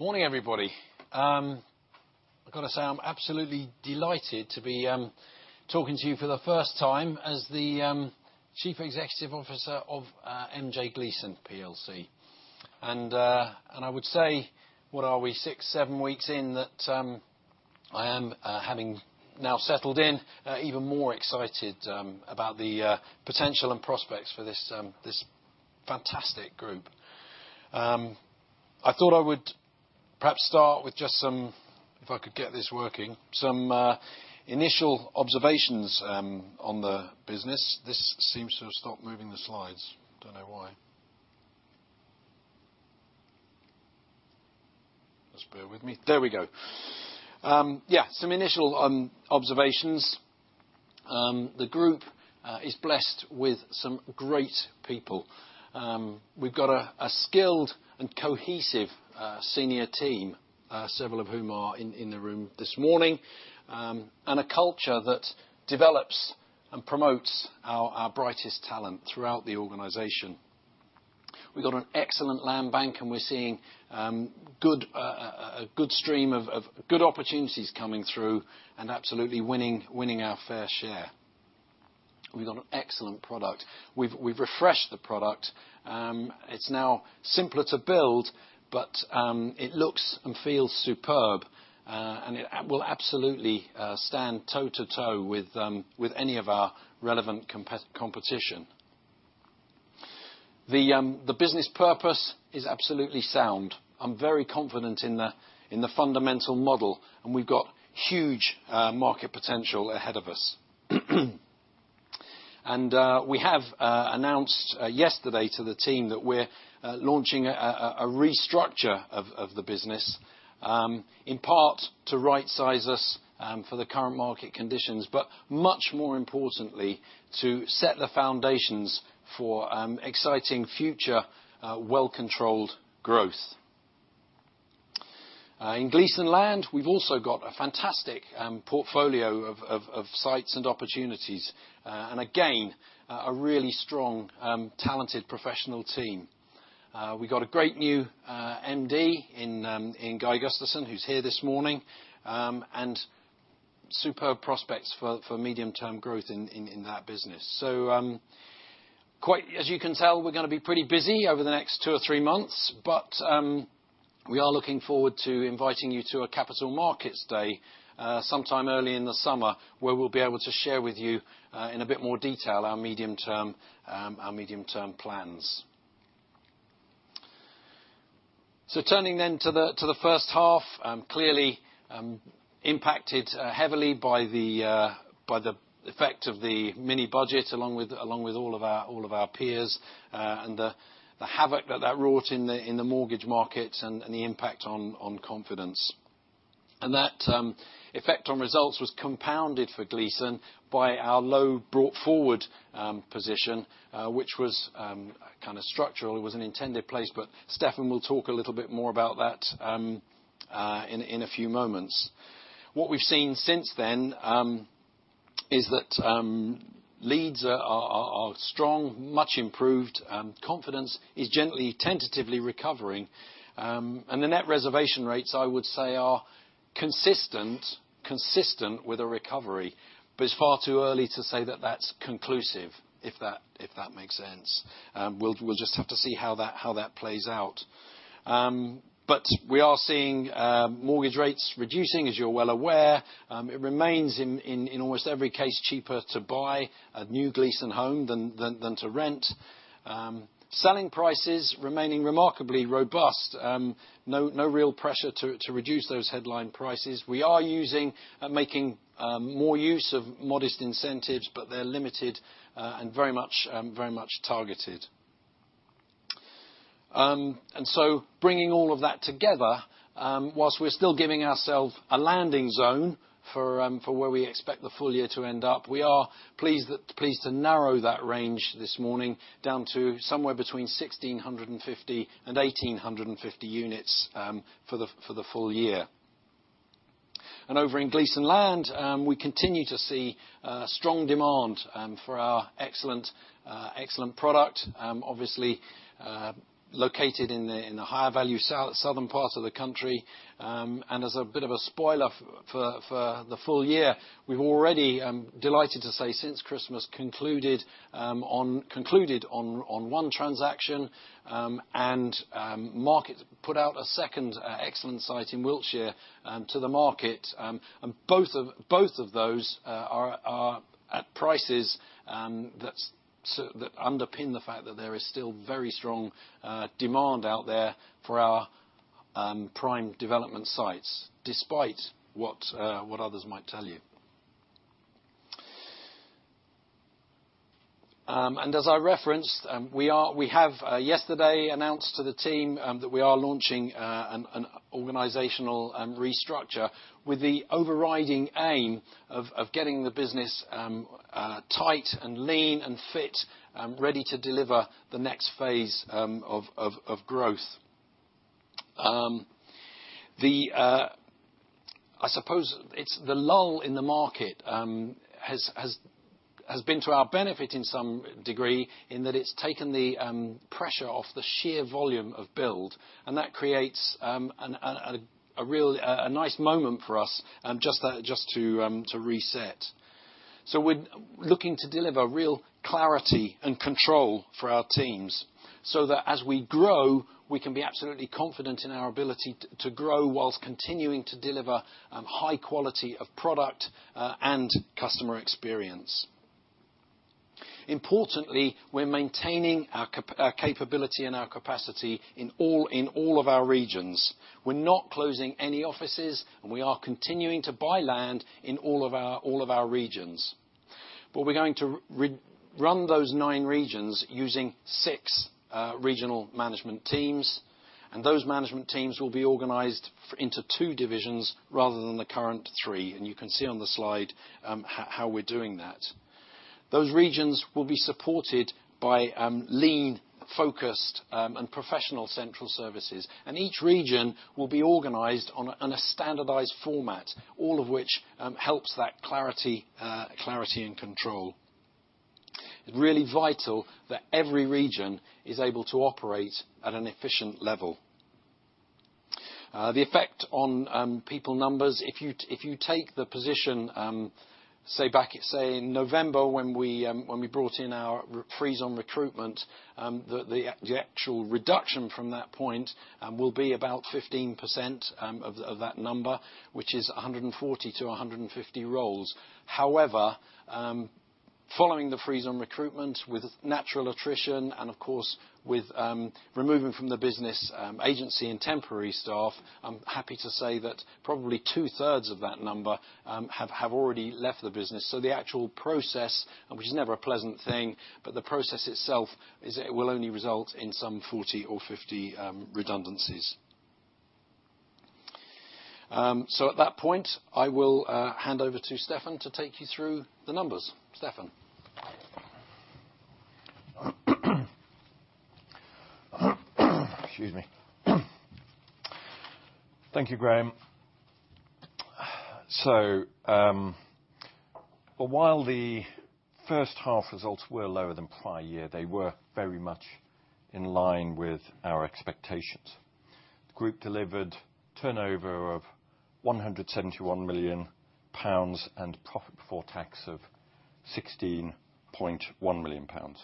Morning, everybody. I've got to say, I'm absolutely delighted to be talking to you for the first time as the Chief Executive Officer of MJ Gleeson PLC. I would say, what are we? 6, 7 weeks in that, I am having now settled in, even more excited about the potential and prospects for this fantastic group. I thought I would perhaps start with just some, if I could get this working, some initial observations on the business. This seems to have stopped moving the slides. Don't know why. Just bear with me. There we go. Yeah, some initial observations. The group is blessed with some great people. We've got a skilled and cohesive, senior team, several of whom are in the room this morning, and a culture that develops and promotes our brightest talent throughout the organization. We've got an excellent land bank, and we're seeing, good, a good stream of good opportunities coming through and absolutely winning our fair share. We've got an excellent product. We've, we've refreshed the product. It's now simpler to build, but, it looks and feels superb. It will absolutely, stand toe-to-toe with any of our relevant competition. The, the business purpose is absolutely sound. I'm very confident in the, in the fundamental model, and we've got huge, market potential ahead of us. We have announced yesterday to the team that we're launching a restructure of the business in part to rightsize us for the current market conditions, but much more importantly, to set the foundations for exciting future well-controlled growth. In Gleeson Land, we've also got a fantastic portfolio of sites and opportunities, and again, a really strong talented professional team. We've got a great new MD in Guy Gusterson, who's here this morning, and superb prospects for medium-term growth in that business. Quite as you can tell, we're gonna be pretty busy over the next two or three months. We are looking forward to inviting you to a capital markets day sometime early in the summer, where we'll be able to share with you in a bit more detail our medium-term our medium-term plans. Turning then to the first half, clearly impacted heavily by the effect of the mini-budget along with all of our peers, and the havoc that that wrought in the mortgage market and the impact on confidence. That effect on results was compounded for Gleeson by our low brought forward position, which was kind of structural. It was an intended place, but Stefan will talk a little bit more about that in a few moments. What we've seen since then, is that, leads are strong, much improved, confidence is gently tentatively recovering. The net reservation rates, I would say, are consistent with a recovery, but it's far too early to say that that's conclusive, if that, if that makes sense. We'll just have to see how that plays out. We are seeing mortgage rates reducing, as you're well aware. It remains in almost every case, cheaper to buy a new Gleeson home than to rent. Selling prices remaining remarkably robust. No real pressure to reduce those headline prices. We are using and making more use of modest incentives, but they're limited and very much targeted. Bringing all of that together, whilst we're still giving ourselves a landing zone for where we expect the full year to end up, we are pleased to narrow that range this morning down to somewhere between 1,650 and 1,850 units for the full year. Over in Gleeson Land, we continue to see strong demand for our excellent product, obviously located in the higher value south, southern parts of the country. As a bit of a spoiler for the full year, we've already, delighted to say since Christmas, concluded on 1 transaction, and market put out a second excellent site in Wiltshire to the market. Both of those are at prices that underpin the fact that there is still very strong demand out there for our prime development sites despite what others might tell you. As I referenced, we have yesterday announced to the team that we are launching an organizational restructure with the overriding aim of getting the business tight and lean and fit ready to deliver the next phase of growth. I suppose it's the lull in the market has been to our benefit in some degree, in that it's taken the pressure off the sheer volume of build, and that creates a real nice moment for us just to reset. We're looking to deliver real clarity and control for our teams so that as we grow, we can be absolutely confident in our ability to grow whilst continuing to deliver high quality of product and customer experience. Importantly, we're maintaining our capability and our capacity in all of our regions. We're not closing any offices, and we are continuing to buy land in all of our regions. We're going to re-run those 9 regions using 6 regional management teams, and those management teams will be organized into 2 divisions rather than the current 3, and you can see on the slide how we're doing that. Those regions will be supported by lean, focused, and professional central services, and each region will be organized on a standardized format, all of which helps that clarity and control. Really vital that every region is able to operate at an efficient level. The effect on people numbers, if you take the position, say back, say in November when we, when we brought in our freeze on recruitment, the actual reduction from that point, will be about 15% of the, of that number, which is 140-150 roles. However, following the freeze on recruitment, with natural attrition and of course with removing from the business, agency and temporary staff, I'm happy to say that probably two-thirds of that number, have already left the business. The actual process, which is never a pleasant thing, but the process itself is will only result in some 40 or 50 redundancies. At that point, I will hand over to Stefan to take you through the numbers. Stefan? Excuse me. Thank you, Graham. While the first half results were lower than prior year, they were very much in line with our expectations. The group delivered turnover of 171 million pounds and profit before tax of 16.1 million pounds.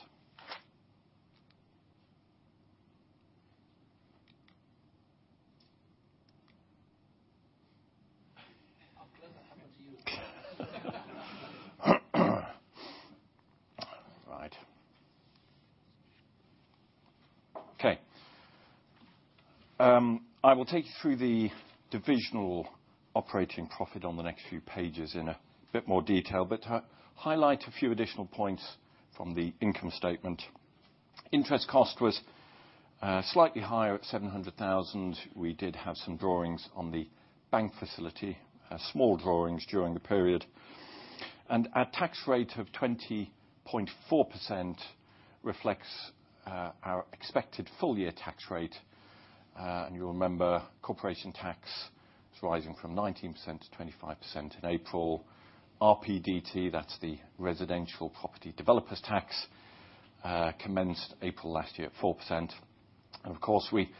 I'm glad that happened to you. Right. Okay. I will take you through the divisional operating profit on the next few pages in a bit more detail, but to highlight a few additional points from the income statement. Interest cost was slightly higher at 700,000. We did have some drawings on the bank facility, small drawings during the period. Our tax rate of 20.4% reflects our expected full year tax rate. You'll remember corporation tax is rising from 19% to 25% in April. RPDT, that's the Residential Property Developer Tax, commenced April last year at 4%. Of course, we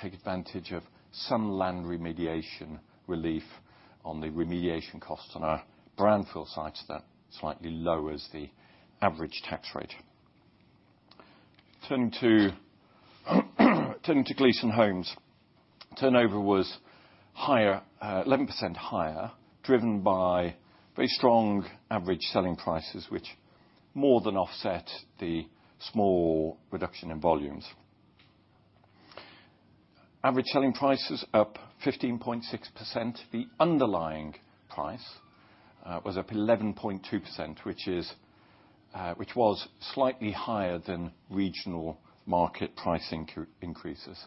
take advantage of some Land Remediation Relief on the remediation costs on our Brownfield sites that slightly lowers the average tax rate. Turning to Gleeson Homes, turnover was higher, 11% higher, driven by very strong average selling prices, which more than offset the small reduction in volumes. Average selling prices up 15.6%. The underlying price was up 11.2%, which was slightly higher than regional market pricing increases.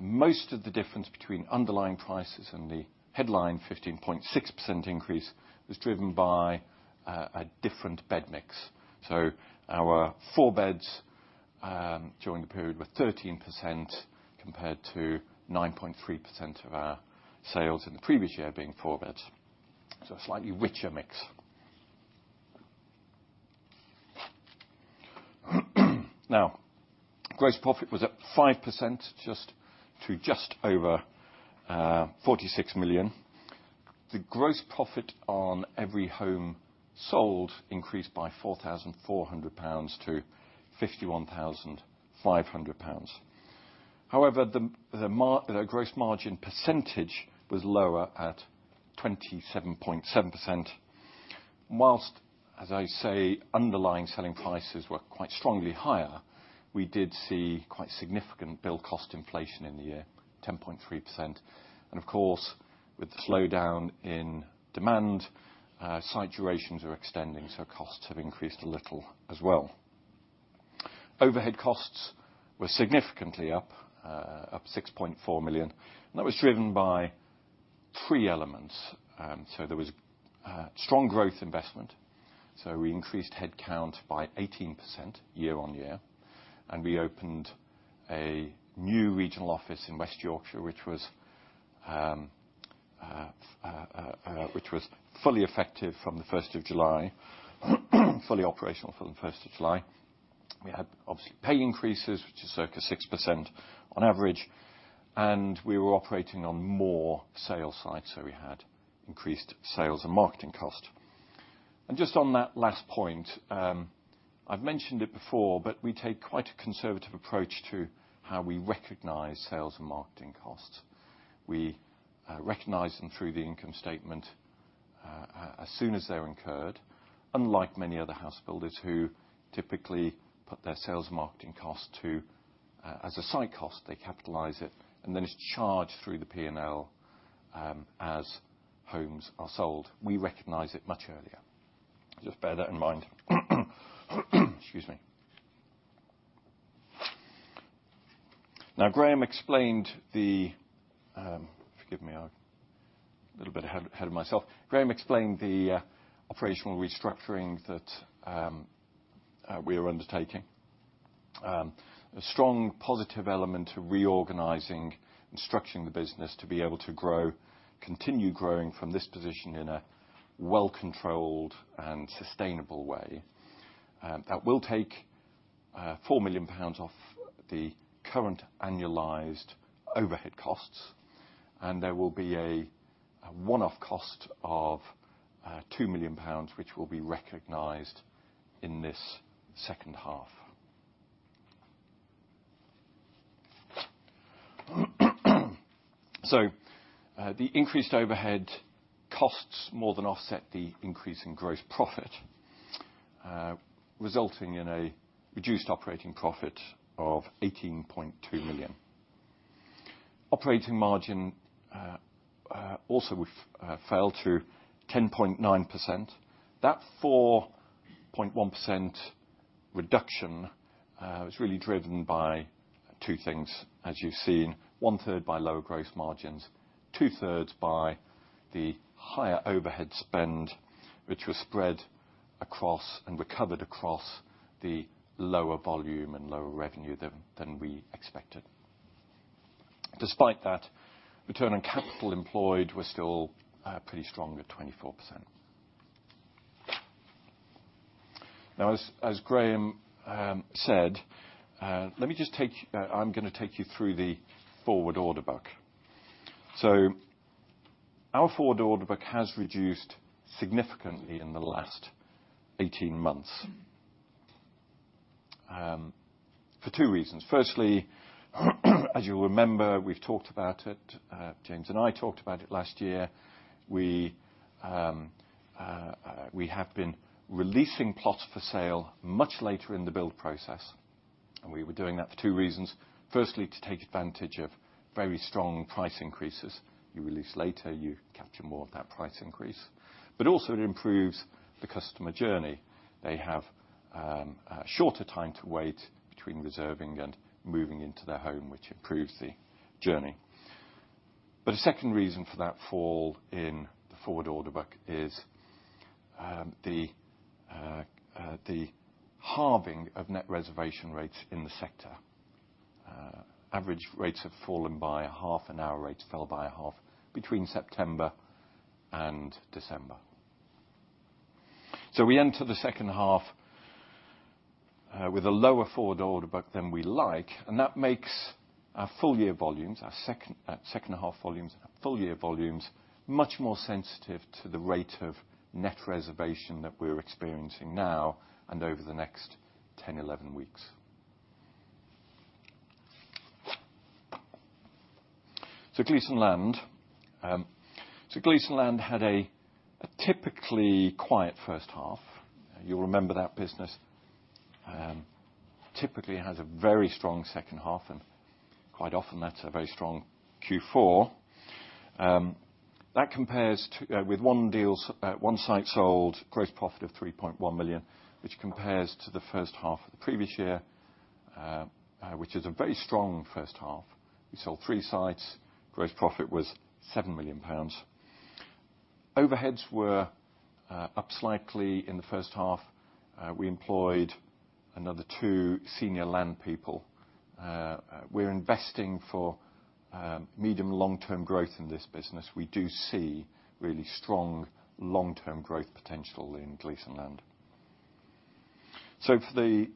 Most of the difference between underlying prices and the headline 15.6% increase was driven by a different bed mix. Our four beds during the period were 13% compared to 9.3% of our sales in the previous year being four beds. A slightly richer mix. Gross profit was up 5% just over 46 million. The gross profit on every home sold increased by 4,400 pounds to 51,500 pounds. However, the gross margin percentage was lower at 27.7%. Whilst, as I say, underlying selling prices were quite strongly higher, we did see quite significant build cost inflation in the year, 10.3%. Of course, with the slowdown in demand, site durations are extending, so costs have increased a little as well. Overhead costs were significantly up, 6.4 million. That was driven by three elements. There was strong growth investment. We increased head count by 18% year on year, and we opened a new regional office in West Yorkshire, which was fully effective from the first of July, fully operational from the first of July. We had, obviously, pay increases, which is circa 6% on average, and we were operating on more sales sides, so we had increased sales and marketing costs. Just on that last point, I've mentioned it before, but we take quite a conservative approach to how we recognize sales and marketing costs. We recognize them through the income statement as soon as they're incurred, unlike many other house builders who typically put their sales and marketing costs to as a site cost. They capitalize it, and then it's charged through the P&L as homes are sold. We recognize it much earlier. Just bear that in mind. Excuse me. Forgive me. I'm a little bit ahead of myself. Graham explained the operational restructuring that we are undertaking. A strong positive element to reorganizing and structuring the business to be able to grow, continue growing from this position in a well-controlled and sustainable way. That will take 4 million pounds off the current annualized overhead costs, and there will be a one-off cost of 2 million pounds, which will be recognized in this second half. The increased overhead costs more than offset the increase in gross profit, resulting in a reduced operating profit of 18.2 million. Operating margin also fell to 10.9%. That 4.1% reduction was really driven by two things as you've seen. One third by lower gross margins, two thirds by the higher overhead spend, which was spread across and recovered across the lower volume and lower revenue than we expected. Despite that, return on capital employed was still pretty strong at 24%. As Graham said, I'm gonna take you through the forward order book. Our forward order book has reduced significantly in the last 18 months for 2 reasons. Firstly, as you'll remember, we've talked about it, James and I talked about it last year. We have been releasing plots for sale much later in the build process, and we were doing that for 2 reasons. Firstly, to take advantage of very strong price increases. You release later, you capture more of that price increase. Also it improves the customer journey. They have a shorter time to wait between reserving and moving into their home, which improves the journey. A second reason for that fall in the forward order book is the halving of net reservation rates in the sector. Average rates have fallen by half, and our rates fell by a half between September and December. We enter the second half with a lower forward order book than we like, and that makes our full year volumes, our second half volumes and our full year volumes, much more sensitive to the rate of net reservation that we're experiencing now and over the next 10, 11 weeks. Gleeson Land. Gleeson Land had a typically quiet first half. You'll remember that business typically has a very strong second half, and quite often that's a very strong Q4. That compares to... With one deals, one site sold, gross profit of 3.1 million, which compares to the first half of the previous year, which is a very strong first half. We sold three sites. Gross profit was 7 million pounds. Overheads were up slightly in the first half. We employed another two senior land people. We're investing for medium, long-term growth in this business. We do see really strong long-term growth potential in Gleeson Land. For the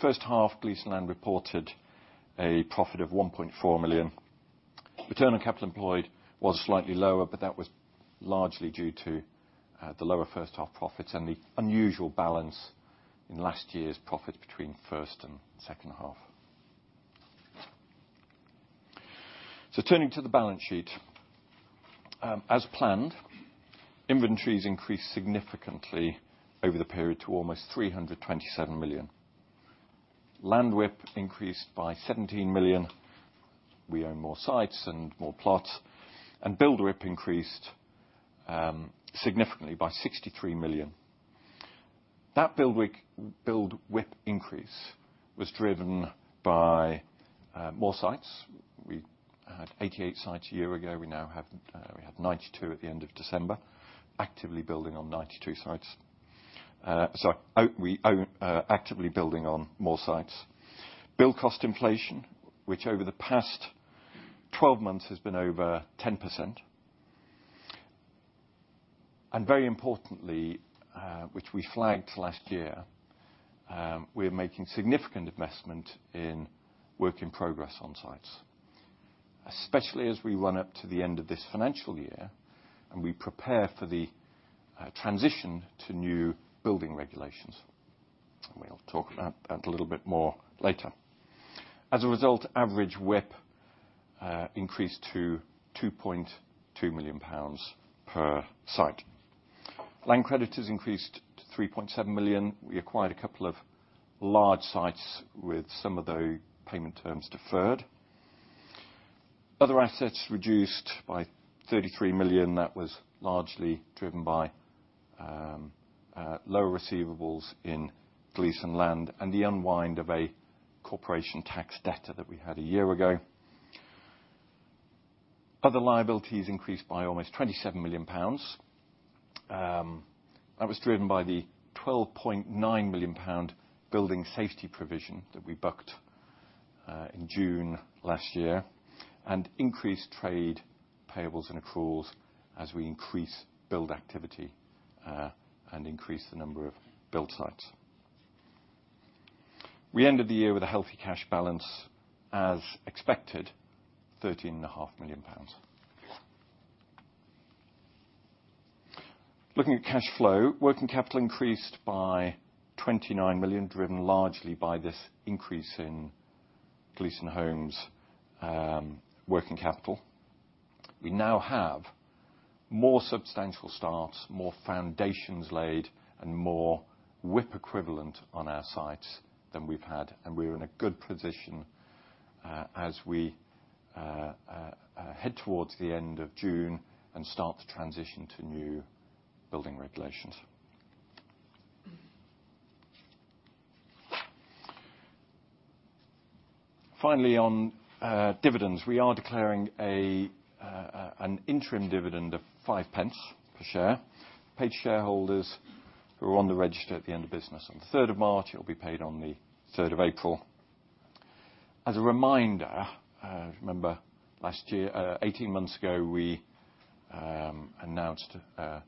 first half, Gleeson Land reported a profit of 1.4 million. Return on capital employed was slightly lower, but that was largely due to the lower first-half profits and the unusual balance in last year's profit between first and second half. Turning to the balance sheet. As planned, inventories increased significantly over the period to almost 327 million. Land WIP increased by 17 million. We own more sites and more plots. Build WIP increased significantly by 63 million. That build WIP increase was driven by more sites. We had 88 sites a year ago, we now have 92 at the end of December. Actively building on 92 sites. Sorry, we actively building on more sites. Build cost inflation, which over the past 12 months has been over 10%. Very importantly, which we flagged last year, we're making significant investment in work in progress on sites. Especially as we run up to the end of this financial year and we prepare for the transition to new building regulations. We'll talk about that a little bit more later. As a result, average WIP increased to 2.2 million pounds per site. Land credits increased to 3.7 million. We acquired a couple of large sites with some of the payment terms deferred. Other assets reduced by 33 million. That was largely driven by lower receivables in Gleeson Land, and the unwind of a corporation tax debt that we had a year ago. Other liabilities increased by almost 27 million pounds. That was driven by the 12.9 million pound Building Safety Act that we bucked in June last year, and increased trade payables and accruals as we increased build activity and increased the number of build sites. We ended the year with a healthy cash balance as expected, GBP 13.5 million. Looking at cash flow, working capital increased by 29 million, driven largely by this increase in Gleeson Homes working capital. We now have more substantial starts, more foundations laid, and more WIP equivalent on our sites than we've had, and we're in a good position as we head towards the end of June and start to transition to new building regulations. Finally on dividends. We are declaring an interim dividend of 0.05 per share. Paid shareholders who were on the register at the end of business on the 3rd of March, it'll be paid on the 3rd of April. As a reminder, if you remember last year, 18 months ago, we announced a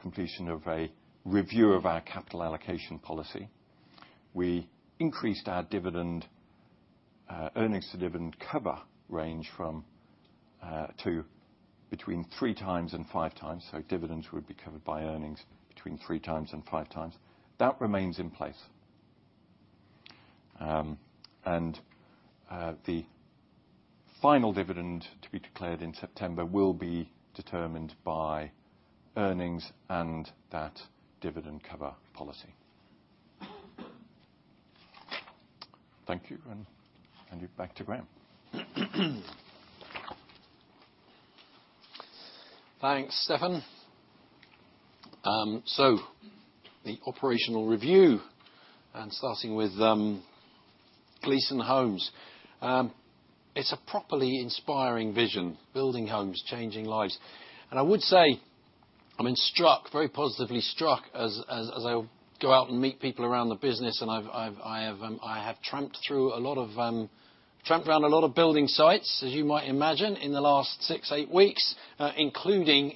completion of a review of our capital allocation policy. We increased our dividend earnings to dividend cover range to between three times and five times, so dividends would be covered by earnings between three times and five times. That remains in place. The final dividend to be declared in September will be determined by earnings and that dividend cover policy. Thank you. Hand you back to Graham. Thanks, Stefan. The operational review, starting with Gleeson Homes. It's a properly inspiring vision. Building homes, changing lives. I would say, I've been struck, very positively struck as I go out and meet people around the business, I have tramped through a lot of, tramped around a lot of building sites, as you might imagine, in the last 6, 8 weeks, including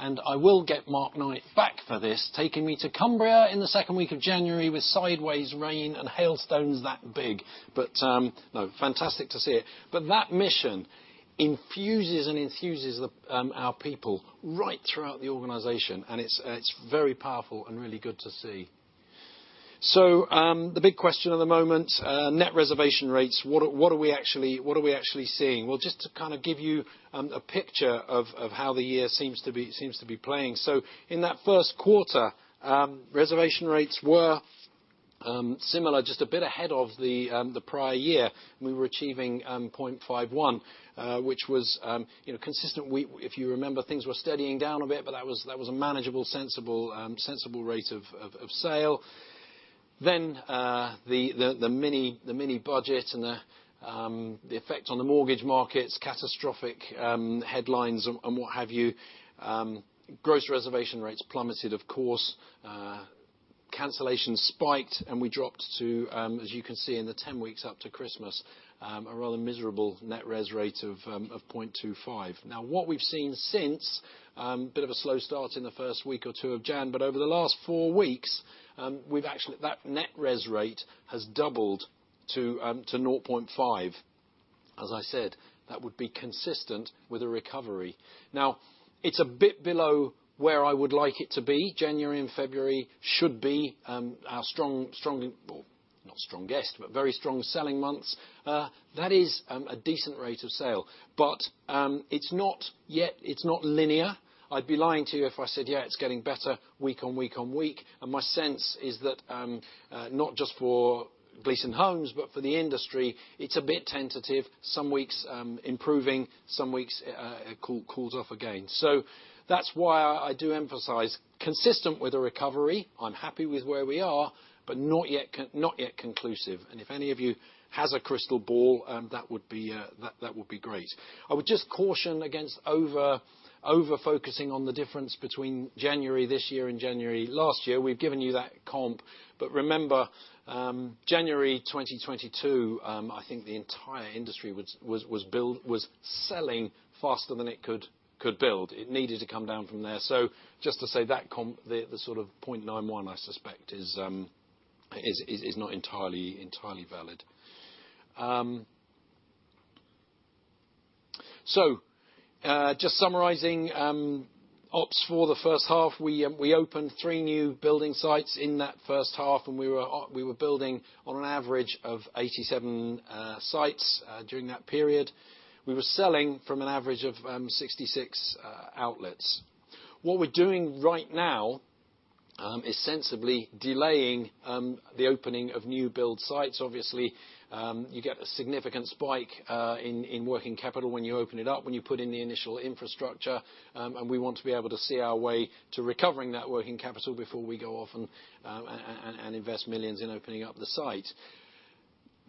and I will get Mark Knight back for this, taking me to Cumbria in the second week of January with sideways rain and hailstones that big. No, fantastic to see it. That mission infuses and enthuses the our people right throughout the organization. It's very powerful and really good to see. The big question of the moment. Net reservation rates, what are, what are we actually, what are we actually seeing? Well, just to kind of give you a picture of how the year seems to be, seems to be playing. In that first quarter, reservation rates were similar, just a bit ahead of the prior year. We were achieving 0.51, which was, you know, consistent. If you remember, things were steadying down a bit, but that was, that was a manageable, sensible rate of sale. The mini-budget and the effect on the mortgage markets, catastrophic headlines and what have you. Gross reservation rates plummeted of course. Cancellations spiked, and we dropped to, as you can see in the 10 weeks up to Christmas, a rather miserable net res rate of 0.25. What we've seen since, a bit of a slow start in the 1st week or 2 of January, but over the last 4 weeks, that net res rate has doubled to 0.5. As I said, that would be consistent with a recovery. It's a bit below where I would like it to be. January and February should be, our strong, Well, not strongest, but very strong selling months. That is, a decent rate of sale. It's not yet. It's not linear. I'd be lying to you if I said, "Yeah, it's getting better week on week on week." My sense is that not just for Gleeson Homes, but for the industry, it's a bit tentative. Some weeks improving, some weeks it cools off again. That's why I do emphasize consistent with a recovery. I'm happy with where we are, but not yet conclusive. If any of you has a crystal ball, that would be great. I would just caution against over-focusing on the difference between January this year and January last year. We've given you that comp. Remember, January 2022, I think the entire industry was selling faster than it could build. It needed to come down from there. Just to say that comp... The sort of 0.91 I suspect is not entirely valid. Just summarizing ops for the first half. We opened 3 new building sites in that first half, and we were building on an average of 87 sites during that period. We were selling from an average of 66 outlets. What we're doing right now is sensibly delaying the opening of new build sites. Obviously, you get a significant spike in working capital when you open it up, when you put in the initial infrastructure. We want to be able to see our way to recovering that working capital before we go off and invest millions in opening up the site.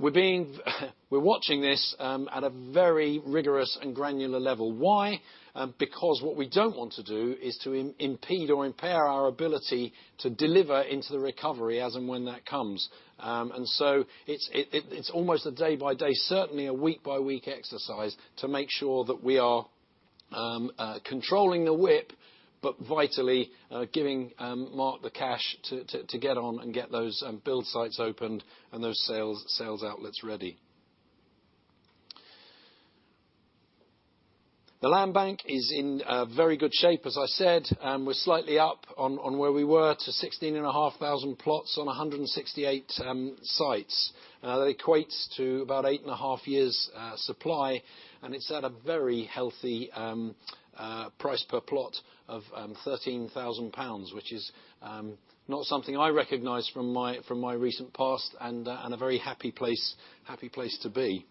We're being... We're watching this at a very rigorous and granular level. Why? What we don't want to do is to impede or impair our ability to deliver into the recovery as and when that comes. It's almost a day-by-day, certainly a week-by-week exercise to make sure that we are controlling the WIP, but vitally giving Mark the cash to get on and get those build sites opened and those sales outlets ready. The land bank is in very good shape, as I said. We're slightly up on where we were to 16,500 plots on 168 sites. That equates to about eight and a half years supply, and it's at a very healthy price per plot of 13,000 pounds, which is not something I recognize from my recent past, and a very happy place to be.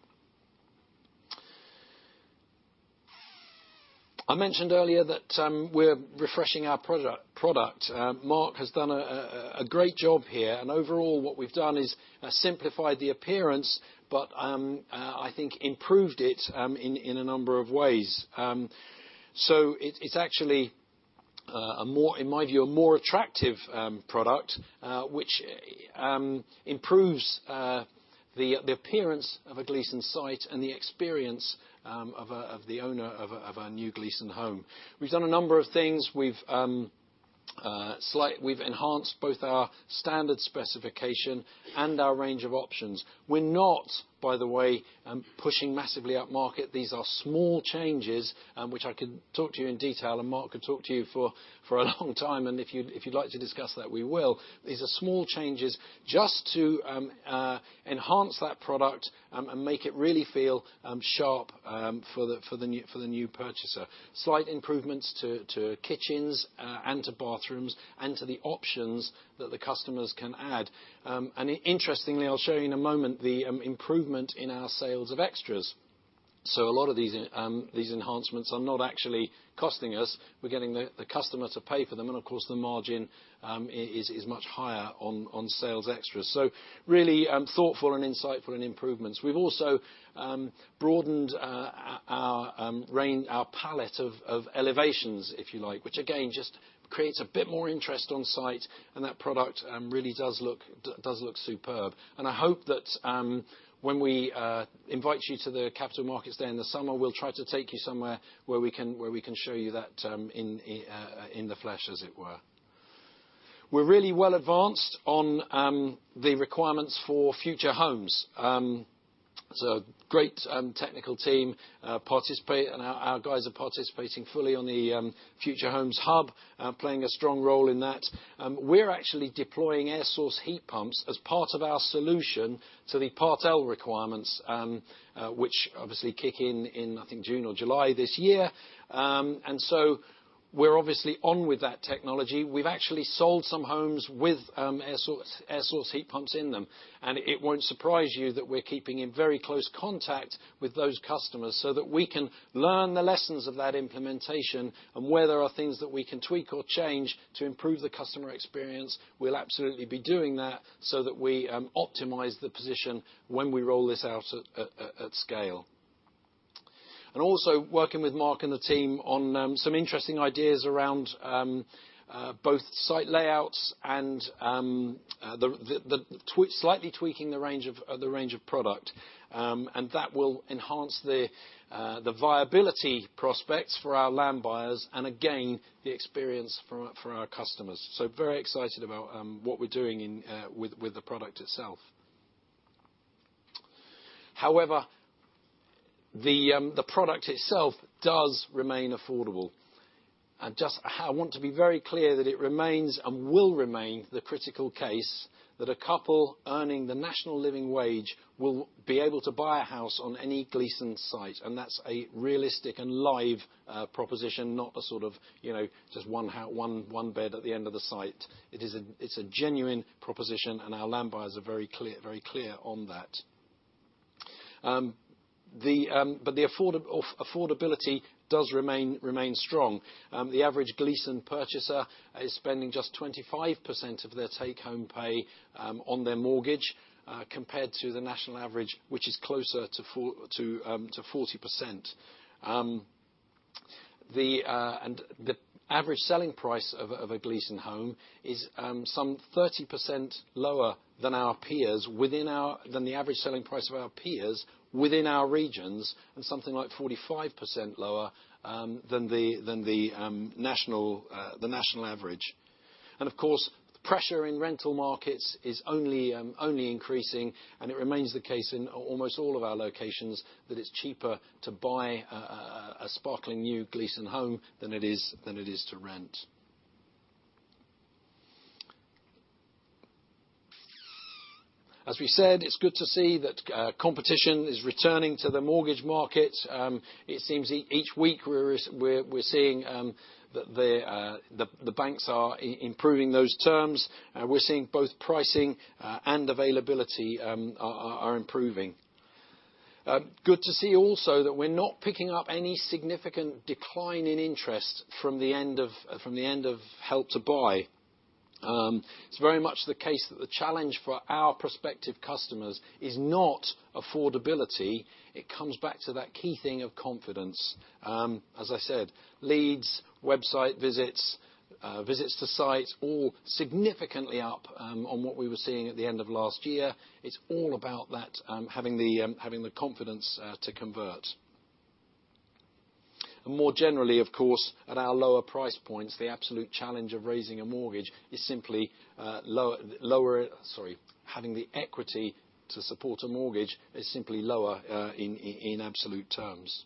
I mentioned earlier that we're refreshing our product. Mark has done a great job here, overall, what we've done is simplified the appearance, but I think improved it in a number of ways. It's actually a more, in my view, a more attractive product, which improves the appearance of a Gleeson site and the experience of the owner of a new Gleeson home. We've done a number of things. We've We've enhanced both our standard specification and our range of options. We're not, by the way, pushing massively upmarket. These are small changes, which I can talk to you in detail, and Mark could talk to you for a long time. If you'd like to discuss that, we will. These are small changes just to enhance that product and make it really feel sharp for the new purchaser. Slight improvements to kitchens and to bathrooms, and to the options that the customers can add. Interestingly, I'll show you in a moment the improvement in our sales of extras. A lot of these enhancements are not actually costing us. We're getting the customer to pay for them. Of course, the margin is much higher on sales extras. Really, thoughtful and insightful in improvements. We've also broadened our range, our palette of elevations, if you like, which again, just creates a bit more interest on site, and that product really does look superb. I hope that when we invite you to the capital markets day in the summer, we'll try to take you somewhere where we can show you that in the flesh, as it were. We're really well advanced on the requirements for future homes. Great technical team participate, and our guys are participating fully on the Future Homes Hub, playing a strong role in that. We're actually deploying air source heat pumps as part of our solution to the Part L requirements, which obviously kick in in, I think, June or July this year. We're obviously on with that technology. We've actually sold some homes with air source heat pumps in them. It won't surprise you that we're keeping in very close contact with those customers, so that we can learn the lessons of that implementation, and where there are things that we can tweak or change to improve the customer experience, we'll absolutely be doing that, so that we optimize the position when we roll this out at scale. Also working with Mark and the team on some interesting ideas around both site layouts and slightly tweaking the range of product. That will enhance the viability prospects for our land buyers and again, the experience for our customers. Very excited about what we're doing with the product itself. However. The product itself does remain affordable. Just how I want to be very clear that it remains and will remain the critical case that a couple earning the National Living Wage will be able to buy a house on any Gleeson site, and that's a realistic and live proposition, not a sort of, you know, just one bed at the end of the site. It's a genuine proposition. Our land buyers are very clear on that. The affordability does remain strong. The average Gleeson purchaser is spending just 25% of their take-home pay on their mortgage, compared to the national average, which is closer to 40%. The average selling price of a Gleeson home is some 30% lower than the average selling price of our peers within our regions and something like 45% lower than the national average. Of course, the pressure in rental markets is only increasing, and it remains the case in almost all of our locations that it's cheaper to buy a sparkling new Gleeson home than it is to rent. As we said, it's good to see that competition is returning to the mortgage market. It seems each week we're seeing that the banks are improving those terms. We're seeing both pricing and availability are improving. Good to see also that we're not picking up any significant decline in interest from the end of Help to Buy. It's very much the case that the challenge for our prospective customers is not affordability. It comes back to that key thing of confidence. As I said, leads, website visits to sites all significantly up on what we were seeing at the end of last year. It's all about that having the confidence to convert. More generally, of course, at our lower price points, the absolute challenge of raising a mortgage is simply lower. Sorry, having the equity to support a mortgage is simply lower in absolute terms.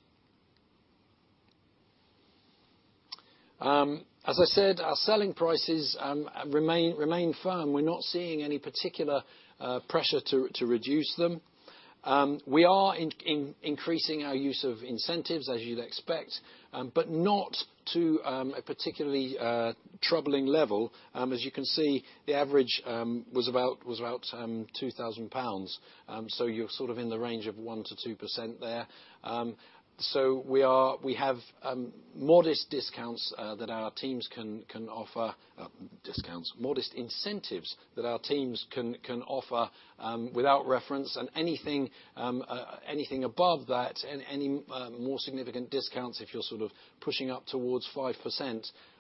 As I said, our selling prices remain firm. We're not seeing any particular pressure to reduce them. We are increasing our use of incentives, as you'd expect, but not to a particularly troubling level. As you can see, the average was about 2,000 pounds. You're sort of in the range of 1%-2% there. We are, we have modest discounts that our teams can offer. Modest incentives that our teams can offer without reference. Anything above that, and any more significant discounts, if you're sort of pushing up towards 5%,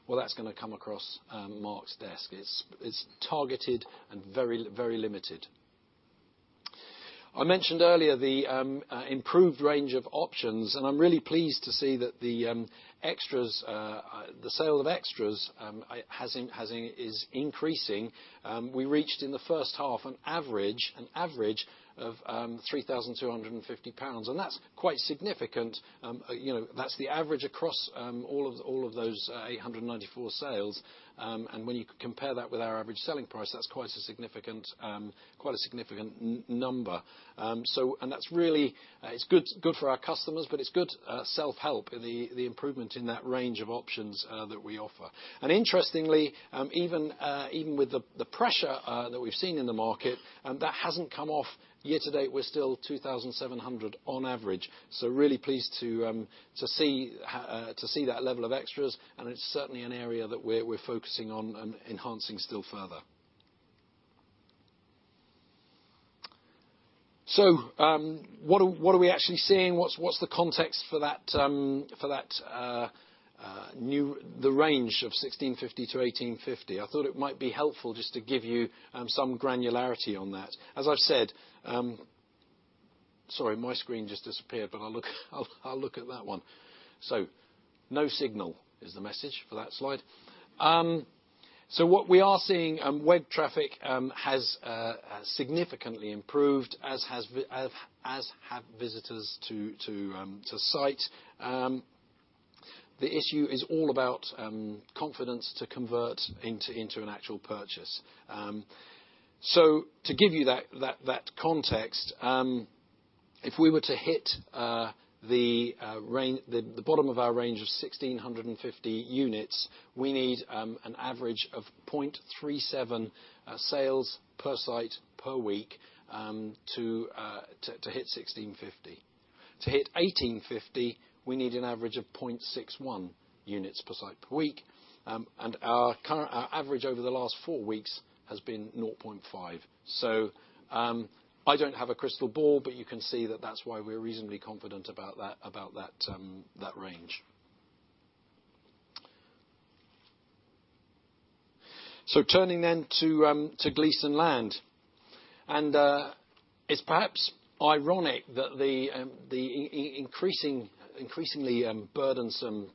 well, that's gonna come across Mark's desk. It's targeted and very, very limited. I mentioned earlier the improved range of options, and I'm really pleased to see that the extras, the sale of extras, is increasing. We reached in the first half an average of 3,250 pounds, and that's quite significant. You know, that's the average across all of those 894 sales. When you compare that with our average selling price, that's quite a significant, quite a significant number. That's really, it's good, it's good for our customers, but it's good self-help, the improvement in that range of options that we offer. Interestingly, even with the pressure that we've seen in the market, that hasn't come off. Year to date, we're still 2,700 on average. Really pleased to see that level of extras, and it's certainly an area that we're focusing on and enhancing still further. What are we actually seeing? What's the context for that, for that, the range of 1,650-1,850? I thought it might be helpful just to give you some granularity on that. As I've said, Sorry, my screen just disappeared, but I'll look at that one. No signal is the message for that slide. What we are seeing, web traffic has significantly improved, as have visitors to site. The issue is all about confidence to convert into an actual purchase. To give you that context, if we were to hit the bottom of our range of 1,650 units, we need an average of 0.37 sales per site per week to hit 1,650. To hit 1,850, we need an average of 0.61 units per site per week. Our current, our average over the last four weeks has been 0.5. I don't have a crystal ball, but you can see that that's why we're reasonably confident about that range. Turning then to Gleeson Land. It's perhaps ironic that the increasingly burdensome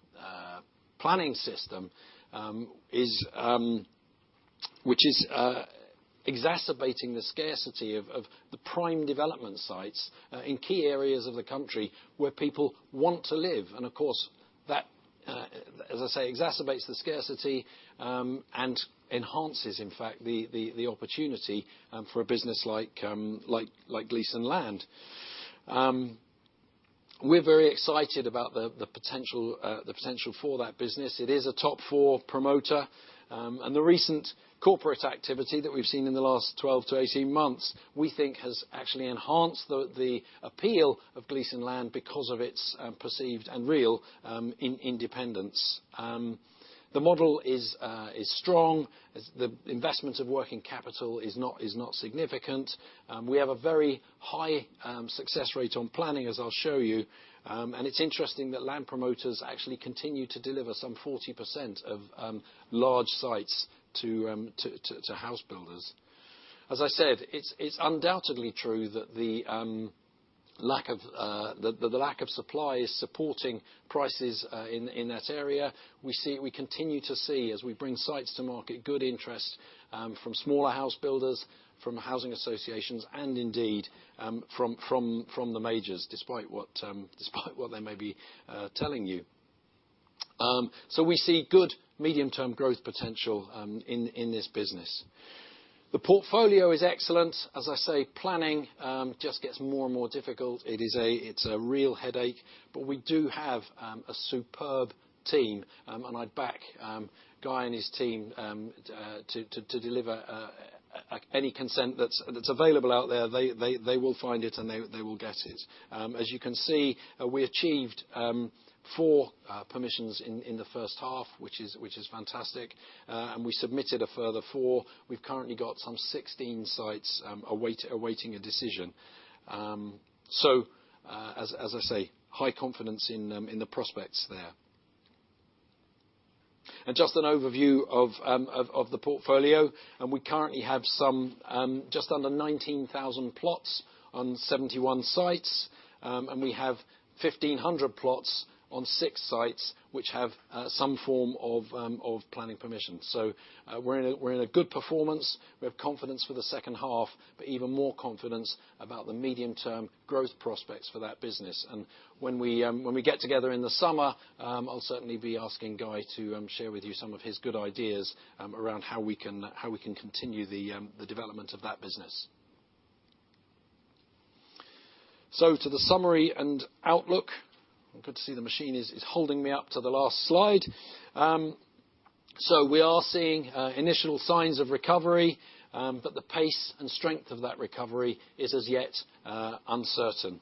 planning system is which is exacerbating the scarcity of the prime development sites in key areas of the country where people want to live. Of course, that as I say, exacerbates the scarcity and enhances, in fact, the opportunity for a business like Gleeson Land. We're very excited about the potential for that business. It is a top 4 promoter. The recent corporate activity that we've seen in the last 12-18 months, we think has actually enhanced the appeal of Gleeson Land because of its perceived and real independence. The model is strong. As the investment of working capital is not significant. We have a very high success rate on planning, as I'll show you. It's interesting that land promoters actually continue to deliver some 40% of large sites to house builders. As I said, it's undoubtedly true that the lack of supply is supporting prices in that area. We see, we continue to see, as we bring sites to market, good interest from smaller house builders, from housing associations, and indeed, from the majors, despite what they may be telling you. We see good medium-term growth potential in this business. The portfolio is excellent. As I say, planning just gets more and more difficult. It is a real headache, but we do have a superb team. I'd back Guy and his team to deliver any consent that's available out there. They will find it, and they will get it. As you can see, we achieved 4 permissions in the first half, which is fantastic. We submitted a further 4. We've currently got some 16 sites awaiting a decision. As I say, high confidence in the prospects there. Just an overview of the portfolio, we currently have some just under 19,000 plots on 71 sites. We have 1,500 plots on 6 sites which have some form of planning permission. We're in a good performance. We have confidence for the second half, but even more confidence about the medium-term growth prospects for that business. When we get together in the summer, I'll certainly be asking Guy to share with you some of his good ideas around how we can continue the development of that business. To the summary and outlook. Good to see the machine is holding me up to the last slide. We are seeing initial signs of recovery, but the pace and strength of that recovery is as yet uncertain.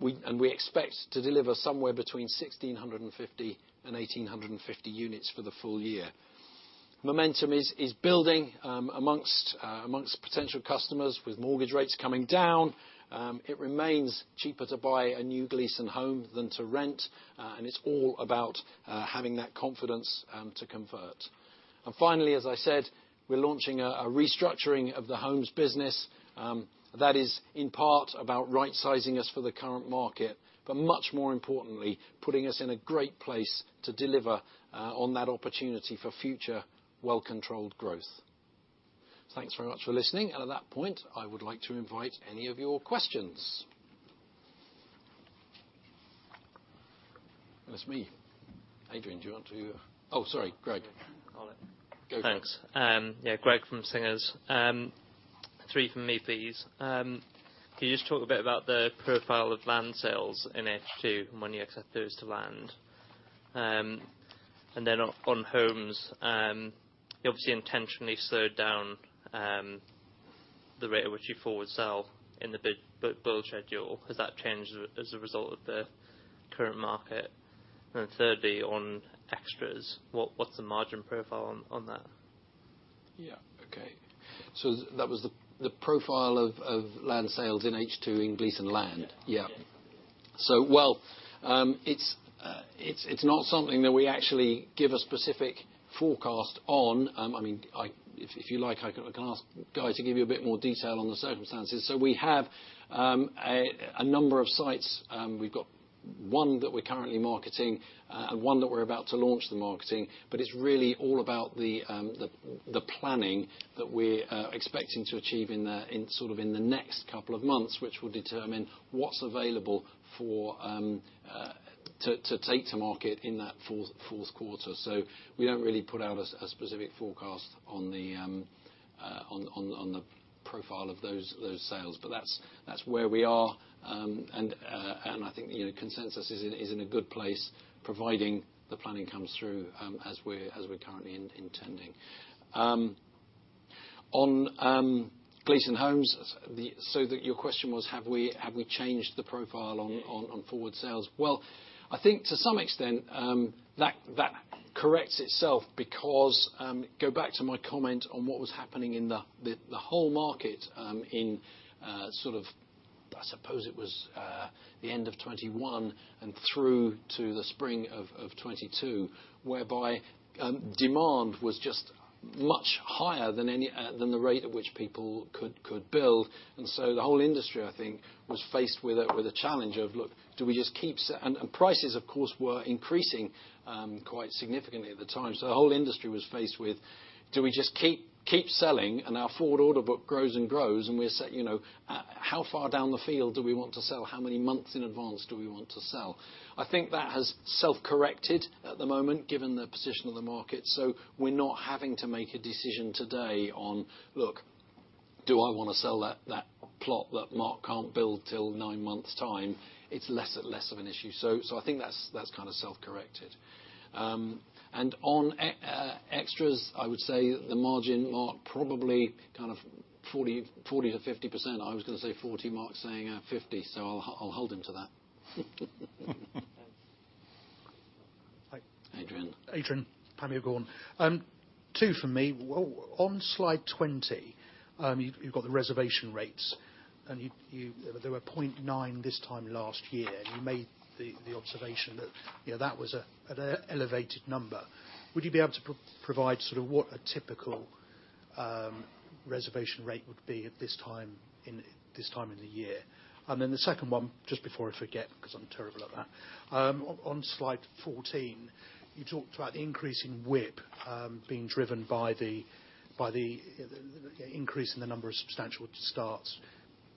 We expect to deliver somewhere between 1,650 and 1,850 units for the full year. Momentum is building amongst potential customers with mortgage rates coming down. It remains cheaper to buy a new Gleeson Home than to rent, and it's all about having that confidence to convert. Finally, as I said, we're launching a restructuring of the homes business, that is in part about right-sizing us for the current market, but much more importantly, putting us in a great place to deliver on that opportunity for future well-controlled growth. Thanks very much for listening. At that point, I would like to invite any of your questions. That's me. Adrian, do you want to? Oh, sorry, Greg. Call it. Go for it. Thanks. Yeah, Greg from Singers. 3 from me, please. Can you just talk a bit about the profile of land sales in H2 when you accept those to land? On homes, you obviously intentionally slowed down the rate at which you forward sell in the build schedule. Has that changed as a result of the current market? Thirdly, on extras, what's the margin profile on that? Yeah. Okay. That was the profile of land sales in H2 in Gleeson Land. Yeah. Yeah. Well, it's not something that we actually give a specific forecast on. I mean, if you like, I can ask Guy to give you a bit more detail on the circumstances. We have a number of sites, we've got one that we're currently marketing, and one that we're about to launch the marketing, but it's really all about the planning that we're expecting to achieve in sort of the next couple of months, which will determine what's available for to take to market in that fourth quarter. We don't really put out a specific forecast on the profile of those sales. That's where we are. I think, you know, consensus is in a good place providing the planning comes through, as we're currently intending. On Gleeson Homes, your question was have we changed the profile on- Yeah. on forward sales? Well, I think to some extent, that corrects itself because, go back to my comment on what was happening in the, the whole market, in, sort of, I suppose it was, the end of 21 and through to the spring of 22, whereby, demand was just much higher than any, than the rate at which people could build. The whole industry, I think, was faced with a, with a challenge of, look, do we just keep And prices of course were increasing, quite significantly at the time. The whole industry was faced with do we just keep selling and our forward order book grows and grows, and we say, you know, how far down the field do we want to sell? How many months in advance do we want to sell? I think that has self-corrected at the moment given the position of the market. We're not having to make a decision today on, look, do I wanna sell that plot that Mark can't build till nine months' time? It's less of an issue. I think that's kind of self-corrected. On extras, I would say the margin, Mark, probably kind of 40%-50%. I was gonna say 40. Mark's saying 50, so I'll hold him to that. Adrian? Adrian. Peel Hunt. Two for me. On slide 20, you've got the reservation rates, and you. They were 0.9 this time last year, and you made the observation that, you know, that was an elevated number. Would you be able to provide sort of what a typical reservation rate would be at this time in the year? Then the second one, just before I forget, 'cause I'm terrible at that. On slide 14, you talked about increasing WIP, being driven by the increase in the number of substantial starts,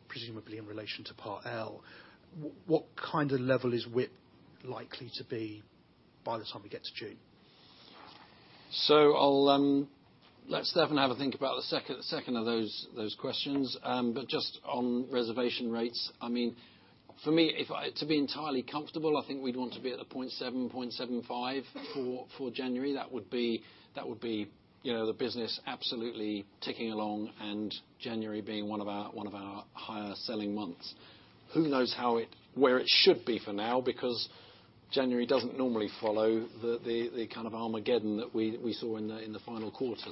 presumably in relation to Part L. What kind of level is WIP likely to be by the time we get to June? I'll let Stefan have a think about the second of those questions. Just on reservation rates. I mean, for me, to be entirely comfortable, I think we'd want to be at a 0.7, 0.75 for January. That would be, you know, the business absolutely ticking along, and January being one of our higher selling months. Who knows how it, where it should be for now, because January doesn't normally follow the kind of Armageddon that we saw in the final quarter.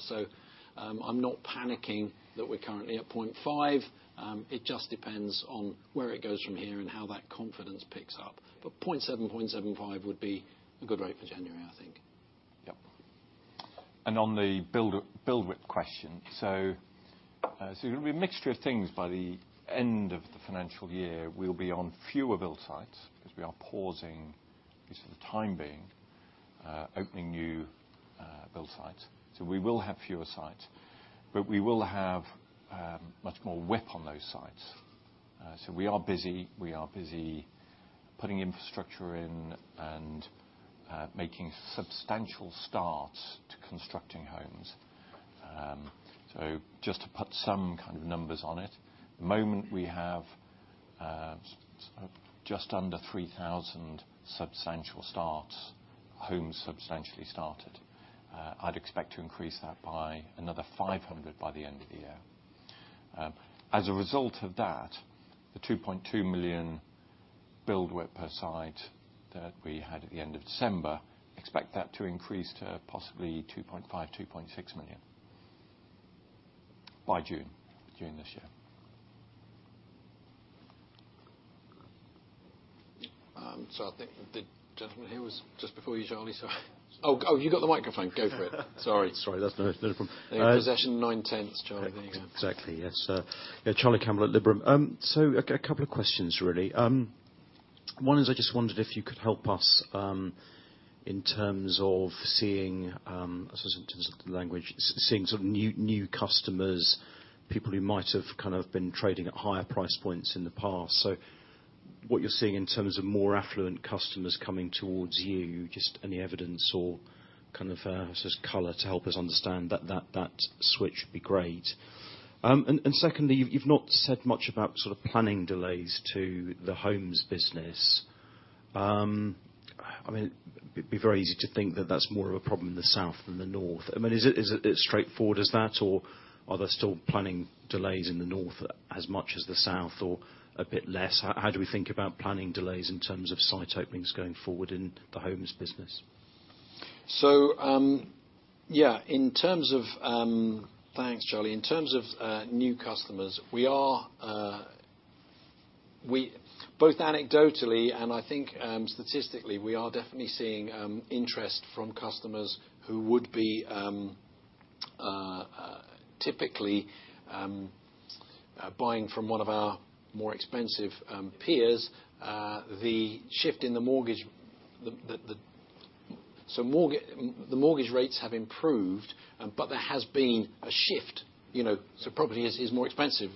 I'm not panicking that we're currently at 0.5. It just depends on where it goes from here and how that confidence picks up. 0.7, 0.75 would be a good rate for January, I think. Yep. On the WIP question. It'll be a mixture of things by the end of the financial year. We'll be on fewer build sites, because we are pausing, at least for the time being, opening new build sites. We will have fewer sites, but we will have much more WIP on those sites. We are busy. We are busy putting infrastructure in and making substantial starts to constructing homes. Just to put some kind of numbers on it. At the moment, we have just under 3,000 substantial starts, homes substantially started. I'd expect to increase that by another 500 by the end of the year. As a result of that, the 2.2 million build WIP per site that we had at the end of December, expect that to increase to possibly 2.5 million-2.6 million by June, during this year. I think the gentleman here was just before you, Charlie. You got the microphone, go for it. Sorry. Sorry. That's no problem. Possession nine-tenths, Charlie. There you go. Exactly. Yes. Charlie Campbell at Liberum. A couple of questions really. One is I just wondered if you could help us in terms of seeing, I suppose in terms of the language, seeing sort of new customers, people who might have kind of been trading at higher price points in the past. What you're seeing in terms of more affluent customers coming towards you, just any evidence or kind of sort of color to help us understand that switch would be great. Secondly, you've not said much about sort of planning delays to the Homes business. It'd be very easy to think that that's more of a problem in the south than the north. I mean, is it, is it as straightforward as that, or are there still planning delays in the north as much as the south or a bit less? How do we think about planning delays in terms of site openings going forward in the homes business? Yeah. In terms of... Thanks, Charlie. In terms of new customers, we are both anecdotally and I think statistically, we are definitely seeing interest from customers who would be typically buying from one of our more expensive peers. The shift in the mortgage, the mortgage rates have improved, but there has been a shift. You know, property is more expensive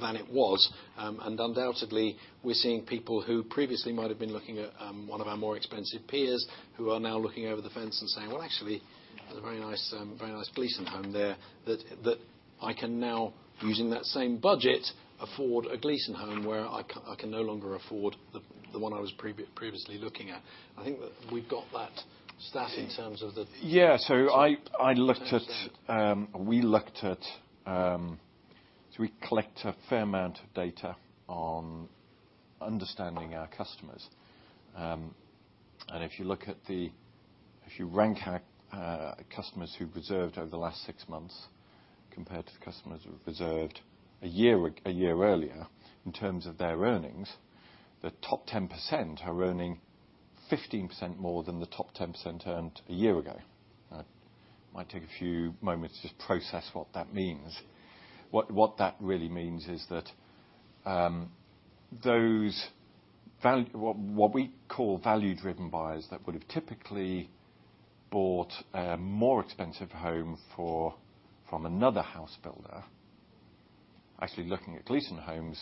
than it was. Undoubtedly, we're seeing people who previously might have been looking at, one of our more expensive peers, who are now looking over the fence and saying, "Well, actually, there's a very nice, very nice Gleeson Home there that I can now, using that same budget, afford a Gleeson Home where I can no longer afford the one I was previously looking at." I think that we've got that stat in terms of. Yeah. We looked at. We collect a fair amount of data on understanding our customers. If you look at. If you rank our customers who've reserved over the last six months compared to the customers who've reserved a year ago, a year earlier, in terms of their earnings, the top 10% are earning 15% more than the top 10% earned a year ago. Might take a few moments to just process what that means. What that really means is that, those What we call value-driven buyers that would have typically bought a more expensive home for, from another house builder, actually looking at Gleeson Homes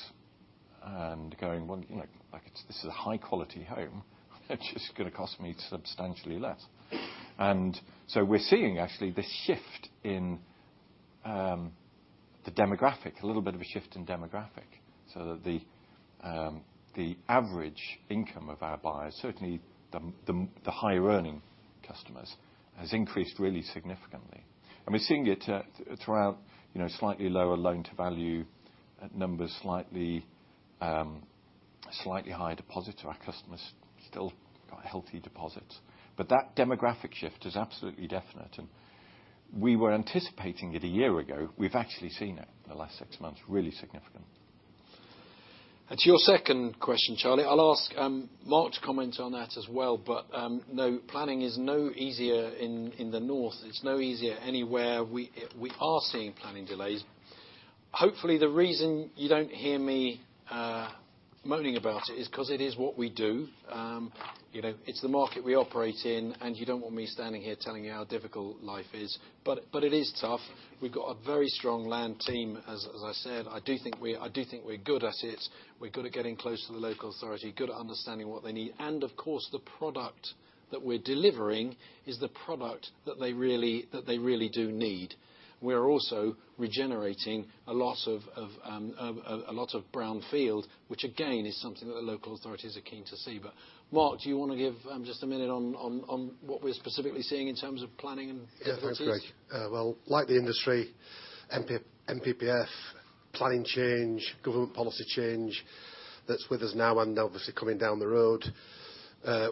and going, "Well, you know, like, it's, this is a high quality home which is gonna cost me substantially less." We're seeing actually the shift in the demographic, a little bit of a shift in demographic, so that the average income of our buyers, certainly the, the higher earning customers, has increased really significantly. We're seeing it throughout, you know, slightly lower loan to value numbers, slightly higher deposit to our customers, still got healthy deposits. That demographic shift is absolutely definite. We were anticipating it 1 year ago. We've actually seen it in the last 6 months, really significant. To your second question, Charlie, I'll ask Mark to comment on that as well. No, planning is no easier in the North. It's no easier anywhere. We are seeing planning delays. Hopefully, the reason you don't hear me moaning about it is 'cause it is what we do. You know, it's the market we operate in, and you don't want me standing here telling you how difficult life is. It is tough. We've got a very strong land team, as I said. I do think we're good at it. We're good at getting close to the local authority, good at understanding what they need. Of course, the product that we're delivering is the product that they really do need. We're also regenerating a lot of brownfield, which again is something that the local authorities are keen to see. Mark, do you wanna give just a minute on what we're specifically seeing in terms of planning and policies? Thanks, Greg. Well, like the industry, NPPF, planning change, government policy change, that's with us now and obviously coming down the road.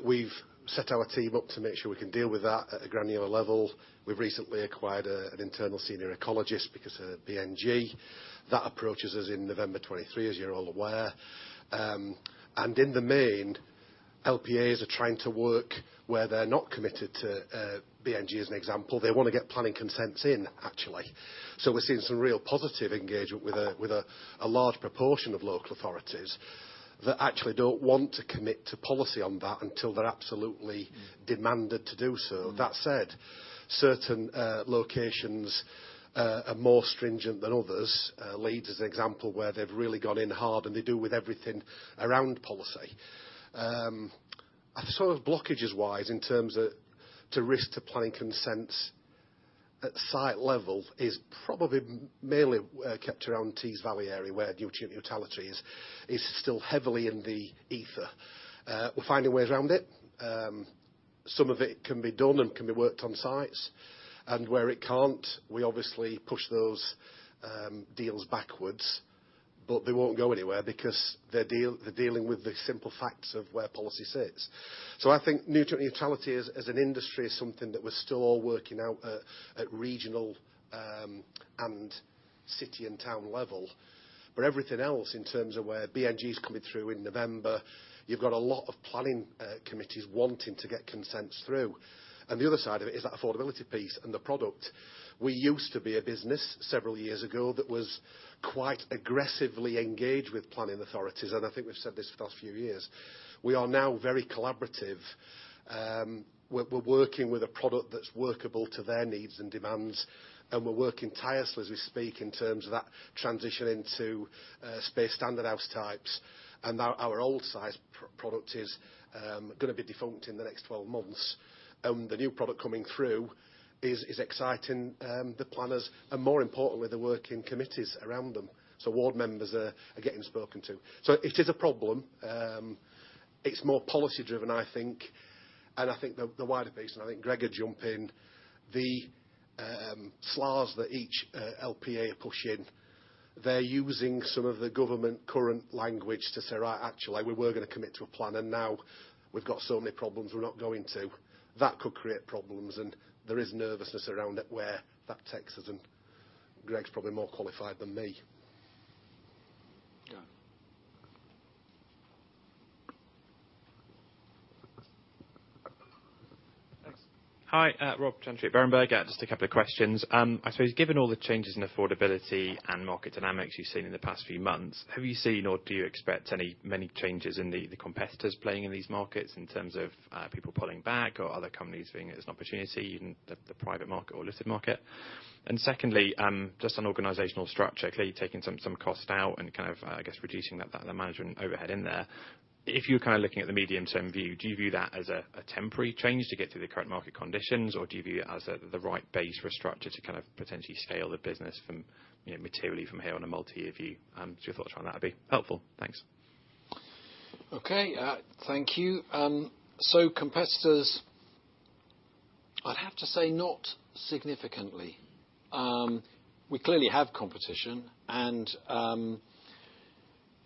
We've set our team up to make sure we can deal with that at a granular level. We've recently acquired an internal senior ecologist because of BNG. That approaches us in November 2023, as you're all aware. In the main, LPAs are trying to work where they're not committed to BNG as an example. They wanna get planning consents in, actually. We're seeing some real positive engagement with a large proportion of local authorities that actually don't want to commit to policy on that until they're absolutely demanded to do so. That said, certain locations are more stringent than others. Leeds is an example where they've really gone in hard, and they do with everything around policy. Sort of blockages wise, in terms of to risk to planning consents at site level is probably mainly kept around Tees Valley area where nutrient neutrality is still heavily in the ether. We're finding ways around it. Some of it can be done and can be worked on sites. Where it can't, we obviously push those deals backwards. They won't go anywhere because they're dealing with the simple facts of where policy sits. I think nutrient neutrality as an industry is something that we're still all working out at regional and city and town level. Everything else in terms of where BNG's coming through in November, you've got a lot of planning committees wanting to get consents through. The other side of it is that affordability piece and the product. We used to be a business several years ago that was quite aggressively engaged with planning authorities, and I think we've said this for the past few years. We are now very collaborative. We're working with a product that's workable to their needs and demands, and we're working tirelessly as we speak in terms of that transition into space standard house types. Our old size product is gonna be defunct in the next 12 months. The new product coming through is exciting the planners and more importantly, the working committees around them. Ward members are getting spoken to. It is a problem. It's more policy driven, I think. I think the wider base, and I think Greg would jump in, the SLAs that each LPA are pushing, they're using some of the government current language to say, "Right, actually, we were gonna commit to a plan, and now we've got so many problems we're not going to." That could create problems, and there is nervousness around it where that takes us, and Greg's probably more qualified than me. Go on. Thanks. Hi, Rob Gentry at Berenberg. Just a couple of questions. I suppose given all the changes in affordability and market dynamics you've seen in the past few months, have you seen or do you expect many changes in the competitors playing in these markets in terms of people pulling back or other companies seeing it as an opportunity in the private market or listed market? Secondly, just on organizational structure, clearly taking some cost out and kind of, I guess reducing that the management overhead in there? If you're kind of looking at the medium term view, do you view that as a temporary change to get through the current market conditions, or do you view it as the right base for a structure to kind of potentially scale the business from, you know, materially from here on a multi-year view? Just your thoughts around that'd be helpful. Thanks. Okay. Thank you. Competitors, I'd have to say not significantly. We clearly have competition and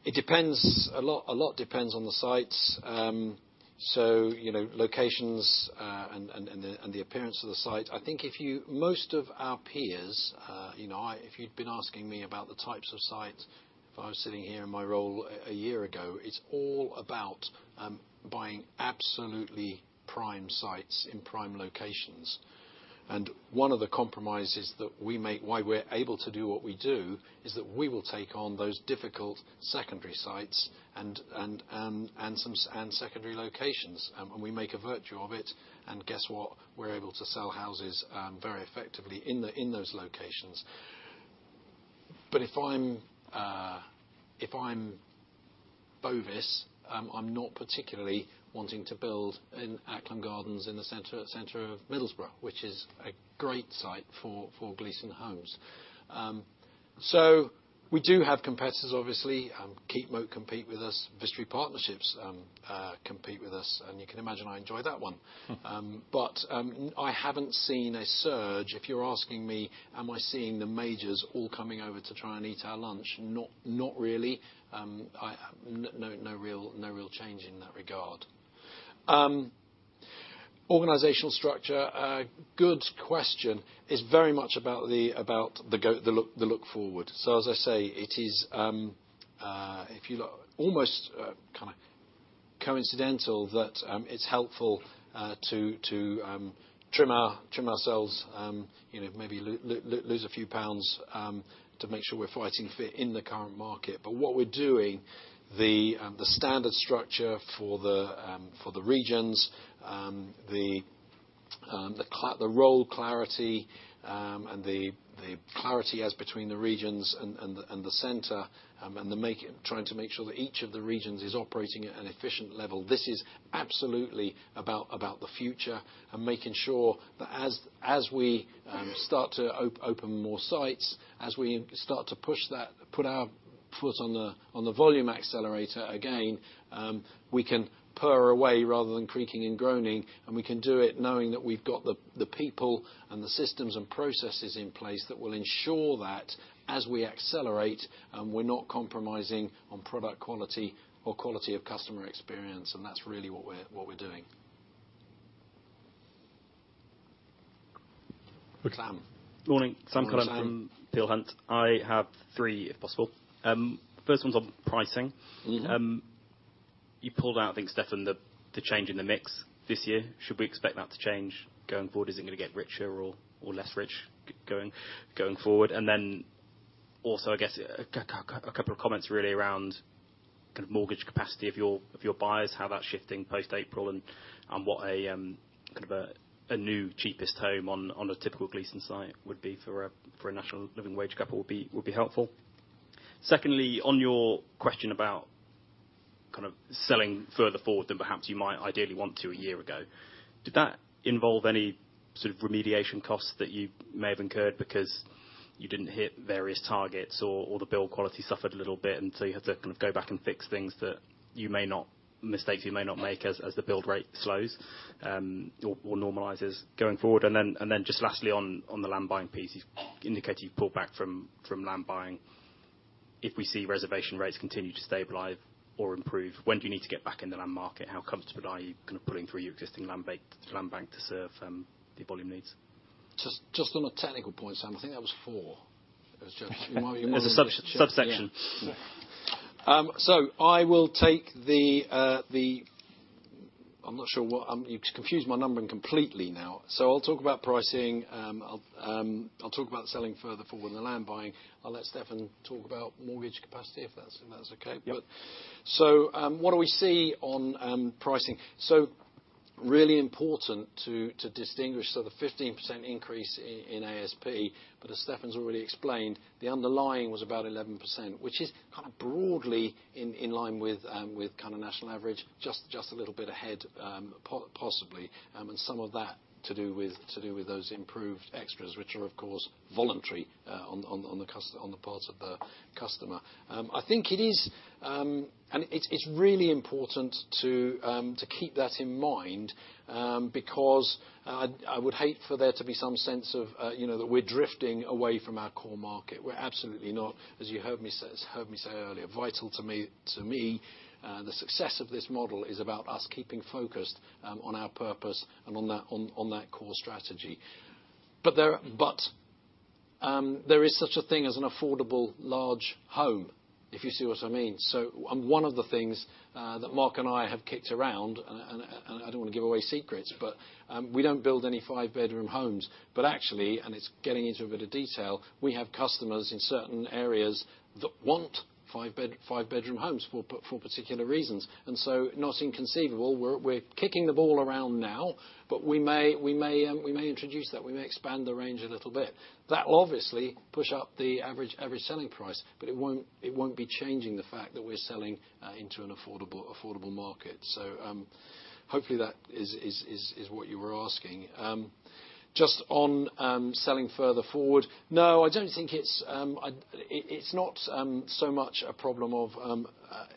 it depends, a lot depends on the sites. You know, locations, and the appearance of the site. I think Most of our peers, you know, if you'd been asking me about the types of sites if I was sitting here in my role a year ago, it's all about buying absolutely prime sites in prime locations. One of the compromises that we make, why we're able to do what we do, is that we will take on those difficult secondary sites and secondary locations, and we make a virtue of it. Guess what? We're able to sell houses very effectively in those locations. If I'm Bovis, I'm not particularly wanting to build in Acklam Gardens in the center of Middlesbrough, which is a great site for Gleeson Homes. We do have competitors obviously, Keepmoat compete with us, Vistry Partnerships compete with us, and you can imagine I enjoy that one. I haven't seen a surge, if you're asking me, am I seeing the majors all coming over to try and eat our lunch? Not really. No, no real change in that regard. Organizational structure, good question. It's very much about the look forward. As I say, it is, if you almost kind of coincidental that it's helpful to trim ourselves, you know, maybe lose a few pounds to make sure we're fighting fit in the current market. What we're doing, the standard structure for the regions, the role clarity, and the clarity as between the regions and the center, and trying to make sure that each of the regions is operating at an efficient level. This is absolutely about the future and making sure that as we start to open more sites, as we start to push that, put our foot on the volume accelerator, again, we can purr away rather than creaking and groaning, and we can do it knowing that we've got the people and the systems and processes in place that will ensure that as we accelerate, we're not compromising on product quality or quality of customer experience, and that's really what we're doing. Okay. Sam. Morning. Sam Cullen from Peel Hunt. Morning, Sam. I have 3, if possible. First one's on pricing. Mm-hmm. You pulled out, I think, Stefan, the change in the mix this year. Should we expect that to change going forward? Is it gonna get richer or less rich going forward? Also, I guess, a couple of comments really around kind of mortgage capacity of your, of your buyers, how that's shifting post-April and, kind of a new cheapest home on a typical Gleeson site would be for a, for a National Living Wage couple would be helpful. Secondly, on your question about kind of selling further forward than perhaps you might ideally want to a year ago, did that involve any sort of remediation costs that you may have incurred because you didn't hit various targets or the build quality suffered a little bit and so you had to kind of go back and fix things that you may not, mistakes you may not make as the build rate slows, or normalizes going forward? Just lastly on the land buying piece, you've indicated you've pulled back from land buying. If we see reservation rates continue to stabilize or improve, when do you need to get back in the land market? How comfortable are you kind of pulling through your existing land bank to serve, the volume needs? Just on a technical point, Sam, I think that was four. You might wanna make sure. As a subsection. Yeah. I will take the... I'm not sure what... You've confused my numbering completely now. I'll talk about pricing. I'll talk about selling further forward and the land buying. I'll let Stefan talk about mortgage capacity if that's okay. Yep. What do we see on pricing? Really important to distinguish. The 15% increase in ASP, but as Stefan's already explained, the underlying was about 11%, which is kind of broadly in line with kind of national average, just a little bit ahead, possibly, and some of that to do with those improved extras, which are of course voluntary on the part of the customer. I think it is... It's really important to keep that in mind, because I would hate for there to be some sense of, you know, that we're drifting away from our core market. We're absolutely not, as you heard me say earlier. Vital to me, the success of this model is about us keeping focused on our purpose and on that core strategy. There is such a thing as an affordable large home, if you see what I mean. One of the things that Mark and I have kicked around, and I don't wanna give away secrets, but we don't build any five-bedroom homes. Actually, and it's getting into a bit of detail, we have customers in certain areas that want five-bedroom homes for particular reasons, not inconceivable. We're kicking the ball around now, we may introduce that. We may expand the range a little bit. That will obviously push up the average selling price, but it won't be changing the fact that we're selling into an affordable market. Hopefully that is what you were asking. Just on selling further forward, no, I don't think it's It, it's not so much a problem of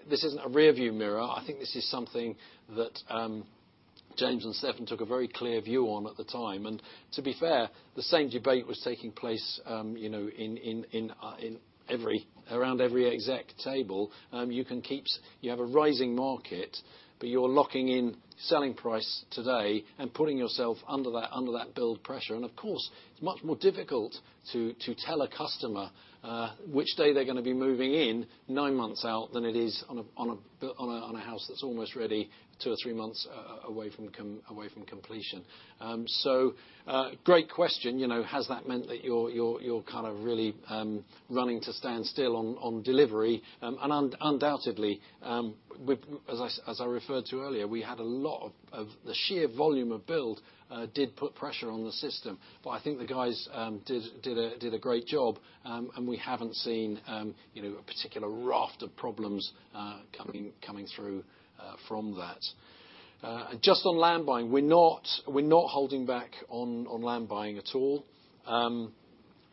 this isn't a rearview mirror. I think this is something that James and Stefan took a very clear view on at the time. To be fair, the same debate was taking place, you know, in every, around every exec table. You can keep you have a rising market, but you're locking in selling price today and putting yourself under that build pressure. Of course, it's much more difficult to tell a customer which day they're gonna be moving in 9 months out than it is on a house that's almost ready 2 or 3 months away from completion. Great question. You know, has that meant that you're kind of really running to stand still on delivery? Undoubtedly, with. As I referred to earlier, we had a lot of the sheer volume of build did put pressure on the system. I think the guys did a great job, and we haven't seen, you know, a particular raft of problems coming through from that. Just on land buying, we're not holding back on land buying at all.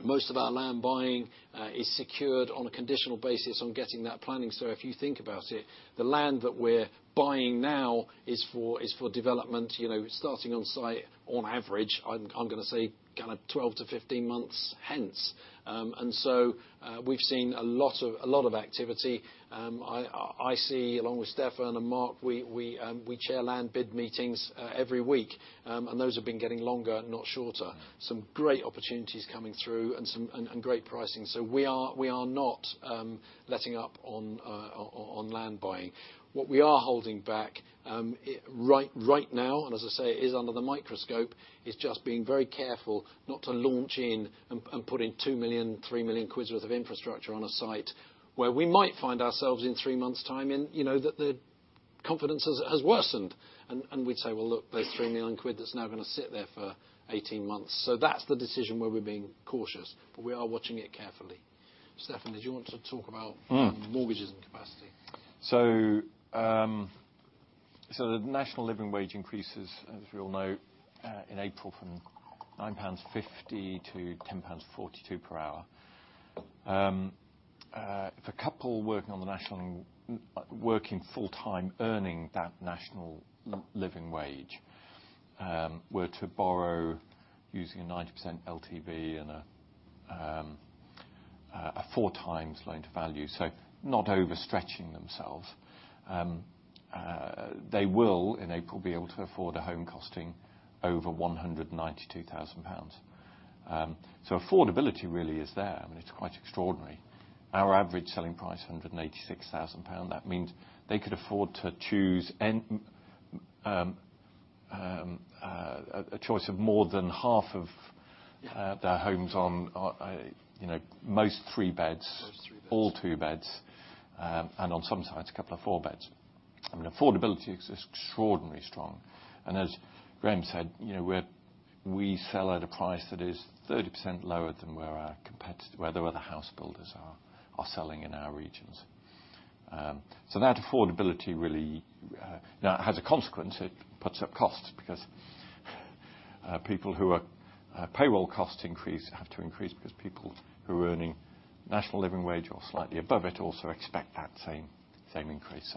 Most of our land buying is secured on a conditional basis on getting that planning. If you think about it, the land that we're buying now is for development, you know, starting on site on average, I'm gonna say kind of 12-15 months hence. So we've seen a lot of activity. I see, along with Stefan and Mark, we chair land bid meetings every week. Those have been getting longer, not shorter. Some great opportunities coming through and some great pricing. We are not letting up on land buying. What we are holding back, right now, and as I say is under the microscope, is just being very careful not to launch in and put in 2 million, 3 million worth of infrastructure on a site where we might find ourselves in three months' time in, you know, that the confidence has worsened. We'd say, "Well, look, there's 3 million quid that's now gonna sit there for 18 months." That's the decision where we're being cautious, but we are watching it carefully. Stefan, did you want to talk about- Mm mortgages and capacity? The National Living Wage increases, as we all know, in April from 9.50 pounds to 10.42 pounds per hour. If a couple working full-time earning that National Living Wage were to borrow using a 90% LTV and a 4 times loan to value, so not overstretching themselves, they will, in April, be able to afford a home costing over 192,000 pounds. Affordability really is there. I mean, it's quite extraordinary. Our average selling price, 186,000 pounds, that means they could afford to choose a choice of more than half of- Yeah... their homes on, you know, most 3 beds. Most three beds. All 2 beds, on some sites, a couple of 4 beds. I mean, affordability is extraordinary strong. As Graham said, you know, we sell at a price that is 30% lower than where the other house builders are selling in our regions. That affordability really now it has a consequence. It puts up costs because people who are payroll costs increase, have to increase because people who are earning National Living Wage or slightly above it also expect that same increase.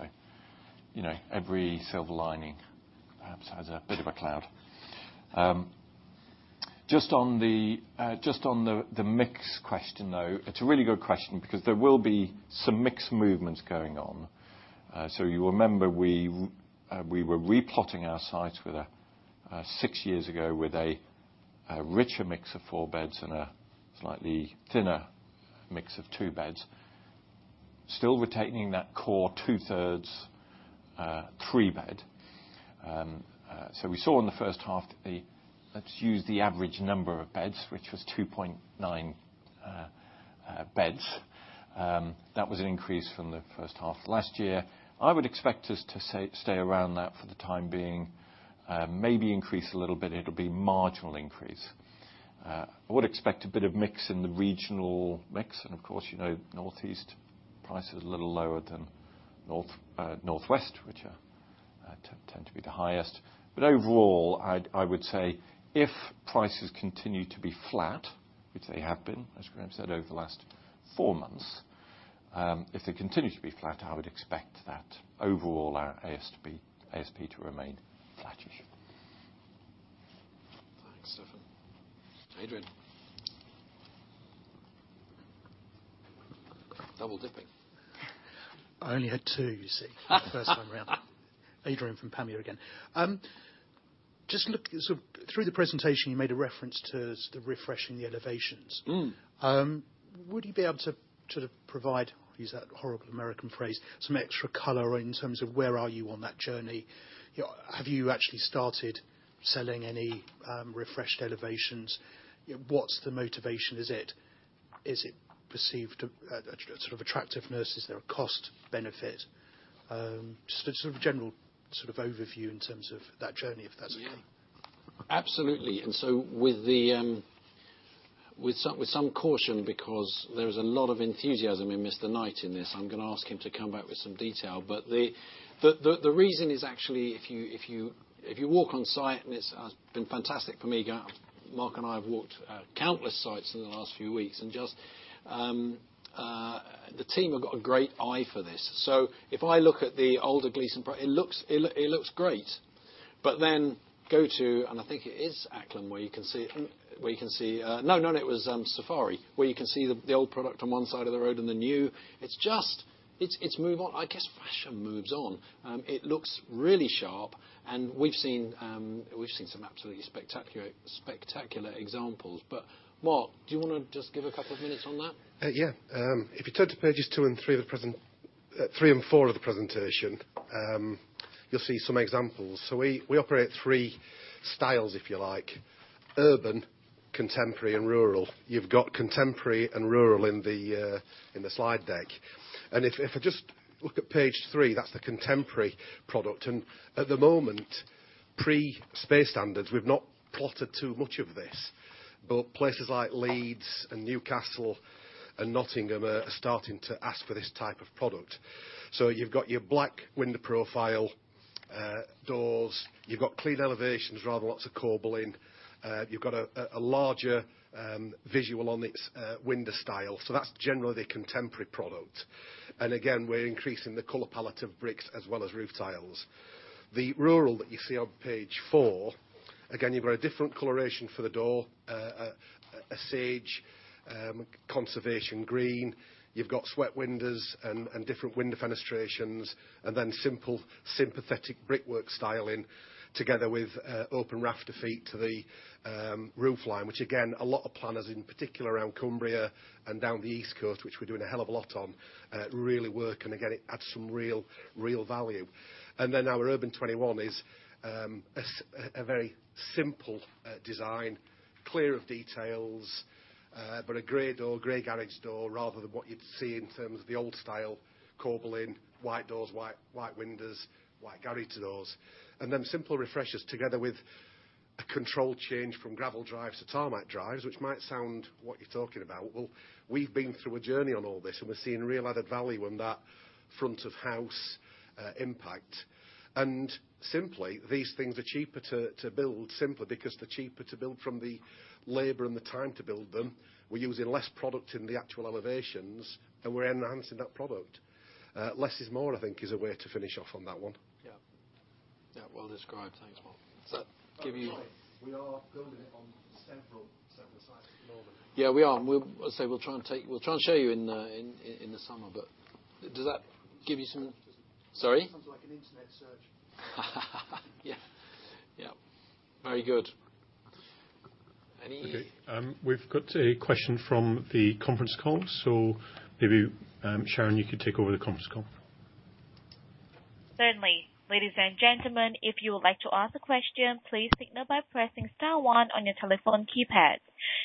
You know, every silver lining perhaps has a bit of a cloud. Just on the mix question, though, it's a really good question because there will be some mix movements going on. You remember we were replotting our sites with a 6 years ago with a richer mix of 4 beds and a slightly thinner mix of 2 beds. Still retaining that core two-thirds, 3 bed. We saw in the first half the, let's use the average number of beds, which was 2.9 beds. That was an increase from the first half of last year. I would expect us to stay around that for the time being, maybe increase a little bit. It'll be marginal increase. I would expect a bit of mix in the regional mix. Of course, you know, Northeast prices are a little lower than North, Northwest, which tend to be the highest. Overall, I would say if prices continue to be flat, which they have been, as Graham said, over the last four months, if they continue to be flat, I would expect that overall our ASP to remain flattish. Thanks, Stefan. Adrian. Double dipping. I only had two, you see. First time around. Adrian from Panmure again. Just look, through the presentation, you made a reference to refreshing the elevations. Mm. Would you be able to sort of provide, use that horrible American phrase, some extra color in terms of where are you on that journey? You know, have you actually started selling any refreshed elevations? What's the motivation? Is it perceived sort of attractiveness? Is there a cost benefit? Just a sort of general sort of overview in terms of that journey, if that's okay. Absolutely. With some caution because there is a lot of enthusiasm in Mr. Knight in this. I'm gonna ask him to come back with some detail. The reason is actually if you walk on site, and it's been fantastic for me. Mark and I have walked countless sites in the last few weeks and just the team have got a great eye for this. If I look at the older Gleeson it looks great. Then go to, and I think it is Acklam, where you can see it from, where you can see. No, it was Safari, where you can see the old product on one side of the road and the new. It's just. It's move on. I guess fashion moves on. It looks really sharp, and we've seen some absolutely spectacular examples. Mark, do you wanna just give a couple of minutes on that? Yeah. If you turn to pages 2 and 3 of the 3 and 4 of the presentation, you'll see some examples. We, we operate three styles, if you like, Urban, contemporary and rural. You've got contemporary and rural in the in the slide deck. If, if I just look at page 3, that's the contemporary product. At the moment, pre-space standards, we've not plotted too much of this. Places like Leeds and Newcastle and Nottingham are starting to ask for this type of product. You've got your black window profile, doors. You've got clean elevations rather lots of cobbling. You've got a larger visual on its window style. That's generally the contemporary product. Again, we're increasing the color palette of bricks as well as roof tiles. The rural that you see on page 4, again, you've got a different coloration for the door, a sage conservation green. You've got sweat windows and different window fenestrations, and then simple, sympathetic brickwork styling together with open rafter feet to the roofline, which again, a lot of planners in particular around Cumbria and down the East Coast, which we're doing a hell of a lot on, really work, and again, it adds some real value. Our Urban 21 is a very simple design, clear of details, but a gray door, gray garage door, rather than what you'd see in terms of the old style cobbling, white doors, white windows, white garage doors. Simple refreshes together with a control change from gravel drives to tarmac drives, which might sound what you're talking about. We've been through a journey on all this, and we're seeing real added value on that front of house impact. Simply, these things are cheaper to build simply because they're cheaper to build from the labor and the time to build them. We're using less product in the actual elevations, and we're enhancing that product. Less is more, I think, is a way to finish off on that one. Yeah. Yeah, well described. Thanks, Mark. Does that give you- We are building it on several sites at the moment. Yeah, we are. I'll say we'll try and take, we'll try and show you in the summer. Does that give you some... Sorry? Sounds like an Internet search. Yeah. Yeah. Very good. Any- Okay, we've got a question from the conference call. Maybe, Sharon, you could take over the conference call. Certainly. Ladies and gentlemen, if you would like to ask a question, please signal by pressing star one on your telephone keypad.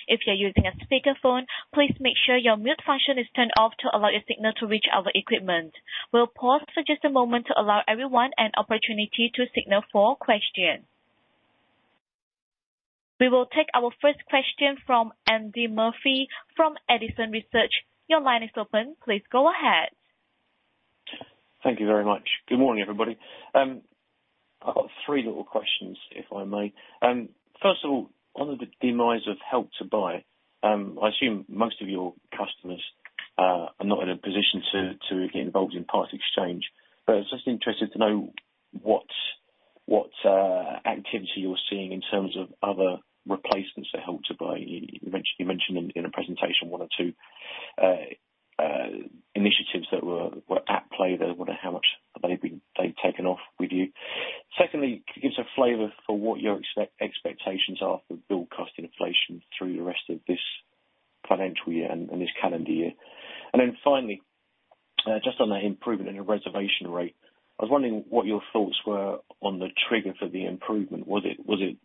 If you're using a speaker phone, please make sure your mute function is turned off to allow your signal to reach our equipment. We'll pause for just a moment to allow everyone an opportunity to signal for questions. We will take our first question from Andy Murphy from Edison Group. Your line is open. Please go ahead. Thank you very much. Good morning, everybody. I've got three little questions, if I may. First of all, on the demise of Help to Buy, I assume most of your customers are not in a position to get involved in part exchange. I was just interested to know what activity you're seeing in terms of other replacements to Help to Buy. You mentioned in a presentation one or two initiatives that were at play there. I wonder how much they've taken off with you. Secondly, can you give us a flavor for what your expectations are for build cost inflation through the rest of this financial year and this calendar year? Finally, just on the improvement in your reservation rate, I was wondering what your thoughts were on the trigger for the improvement. Was it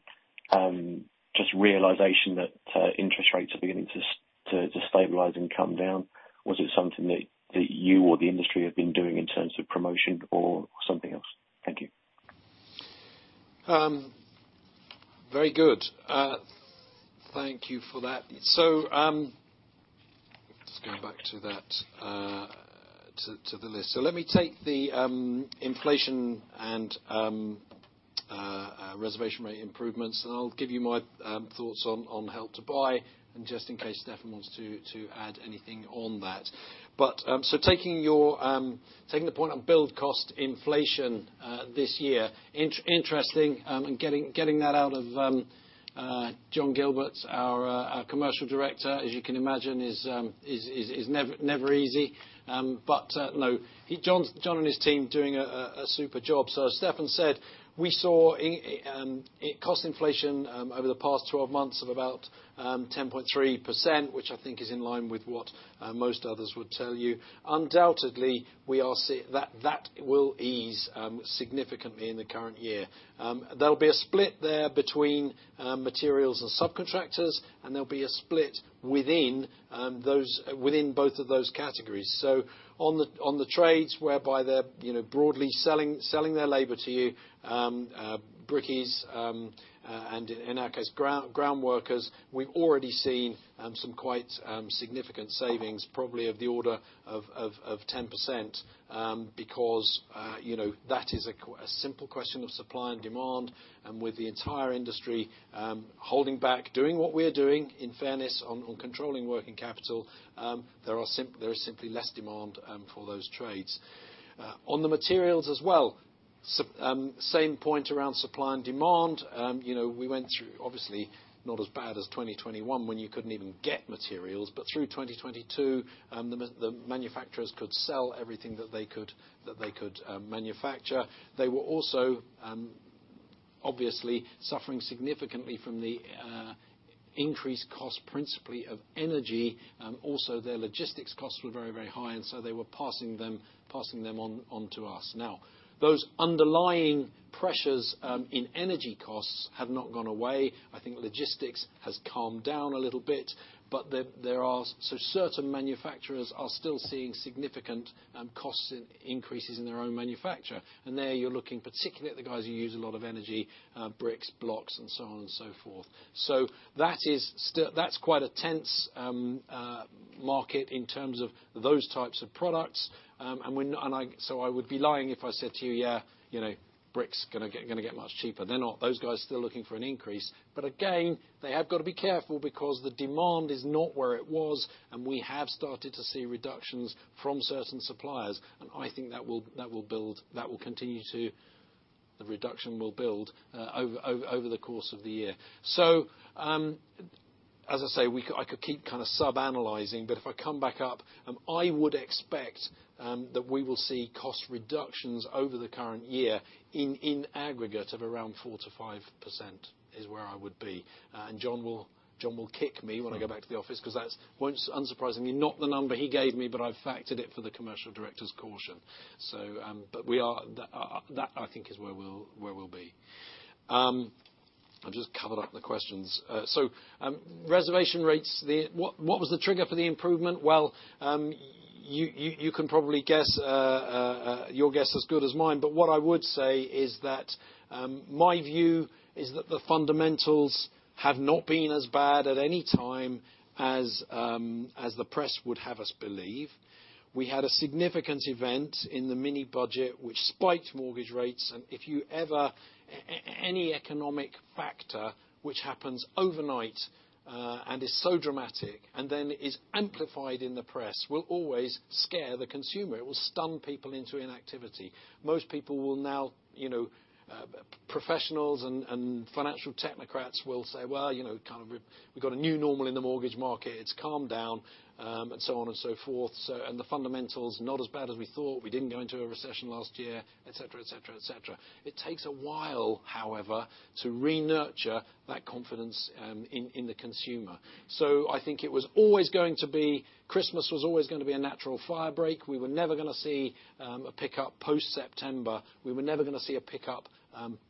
just realization that interest rates are beginning to stabilize and come down? Was it something that you or the industry have been doing in terms of promotion or something else? Thank you. Very good. Thank you for that. Just going back to that, to the list. Let me take the inflation and reservation rate improvements, and I'll give you my thoughts on Help to Buy and just in case Stefan wants to add anything on that. Taking your taking the point on build cost inflation this year, interesting, and getting that out of John Gilbert, our Commercial Director, as you can imagine is never easy. No, John's, John and his team doing a super job. As Stefan said, we saw i cost inflation over the past 12 months of about 10.3%, which I think is in line with what most others would tell you. Undoubtedly, that will ease significantly in the current year. There'll be a split there between materials and subcontractors, and there'll be a split within those, within both of those categories. On the trades whereby they're, you know, broadly selling their labor to you, brickies, and in our case, ground workers, we've already seen some quite significant savings, probably of the order of 10%, because, you know, that is a simple question of supply and demand, and with the entire industry holding back, doing what we're doing, in fairness on controlling working capital, there is simply less demand for those trades. On the materials as well, same point around supply and demand. You know, we went through obviously not as bad as 2021 when you couldn't even get materials. Through 2022, the manufacturers could sell everything that they could manufacture. They were also obviously suffering significantly from the increased cost principally of energy, also their logistics costs were very, very high. They were passing them on to us. Those underlying pressures in energy costs have not gone away. I think logistics has calmed down a little bit. Certain manufacturers are still seeing significant cost increases in their own manufacture. There you're looking particularly at the guys who use a lot of energy, bricks, blocks, and so on and so forth. That's quite a tense market in terms of those types of products. I would be lying if I said to you, "Yeah, you know, brick's gonna get much cheaper." They're not. Those guys are still looking for an increase. Again, they have got to be careful because the demand is not where it was, and we have started to see reductions from certain suppliers. I think that will build. The reduction will build over the course of the year. As I say, I could keep kind of sub-analyzing, but if I come back up, I would expect that we will see cost reductions over the current year in aggregate of around 4%-5% is where I would be. John will kick me when I go back to the office 'cause that's, well, unsurprisingly not the number he gave me, but I've factored it for the commercial director's caution. We are that I think is where we'll, where we'll be. I'll just cover up the questions. Reservation rates, What was the trigger for the improvement? Well, you can probably guess, your guess is as good as mine. What I would say is that, my view is that the fundamentals have not been as bad at any time as the press would have us believe. We had a significant event in the mini-budget which spiked mortgage rates. If you ever any economic factor which happens overnight, and is so dramatic and then is amplified in the press will always scare the consumer. It will stun people into inactivity. Most people will now, you know, professionals and financial technocrats will say, "Well, you know, kind of we've got a new normal in the mortgage market. It's calmed down," and so on and so forth. And the fundamentals, not as bad as we thought. We didn't go into a recession last year, et cetera, et cetera, et cetera. It takes a while, however, to re-nurture that confidence in the consumer. I think it was always going to be, Christmas was always gonna be a natural fire break. We were never gonna see a pickup post-September. We were never gonna see a pickup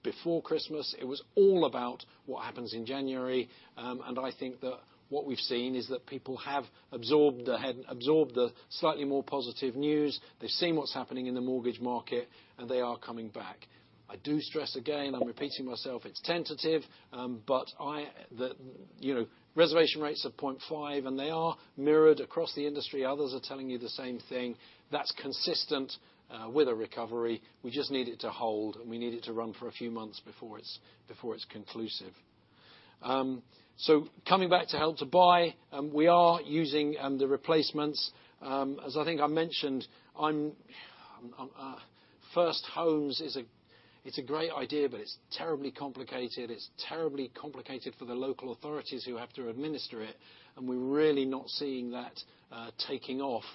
before Christmas. It was all about what happens in January. And I think that what we've seen is that people had absorbed the slightly more positive news. They've seen what's happening in the mortgage market, and they are coming back. I do stress again, I'm repeating myself, it's tentative. You know, reservation rates of 0.5, and they are mirrored across the industry. Others are telling you the same thing. That's consistent with a recovery. We just need it to hold, and we need it to run for a few months before it's conclusive. Coming back to Help to Buy, we are using the replacements. As I think I mentioned, First Homes is a great idea, but it's terribly complicated. It's terribly complicated for the local authorities who have to administer it, and we're really not seeing that taking off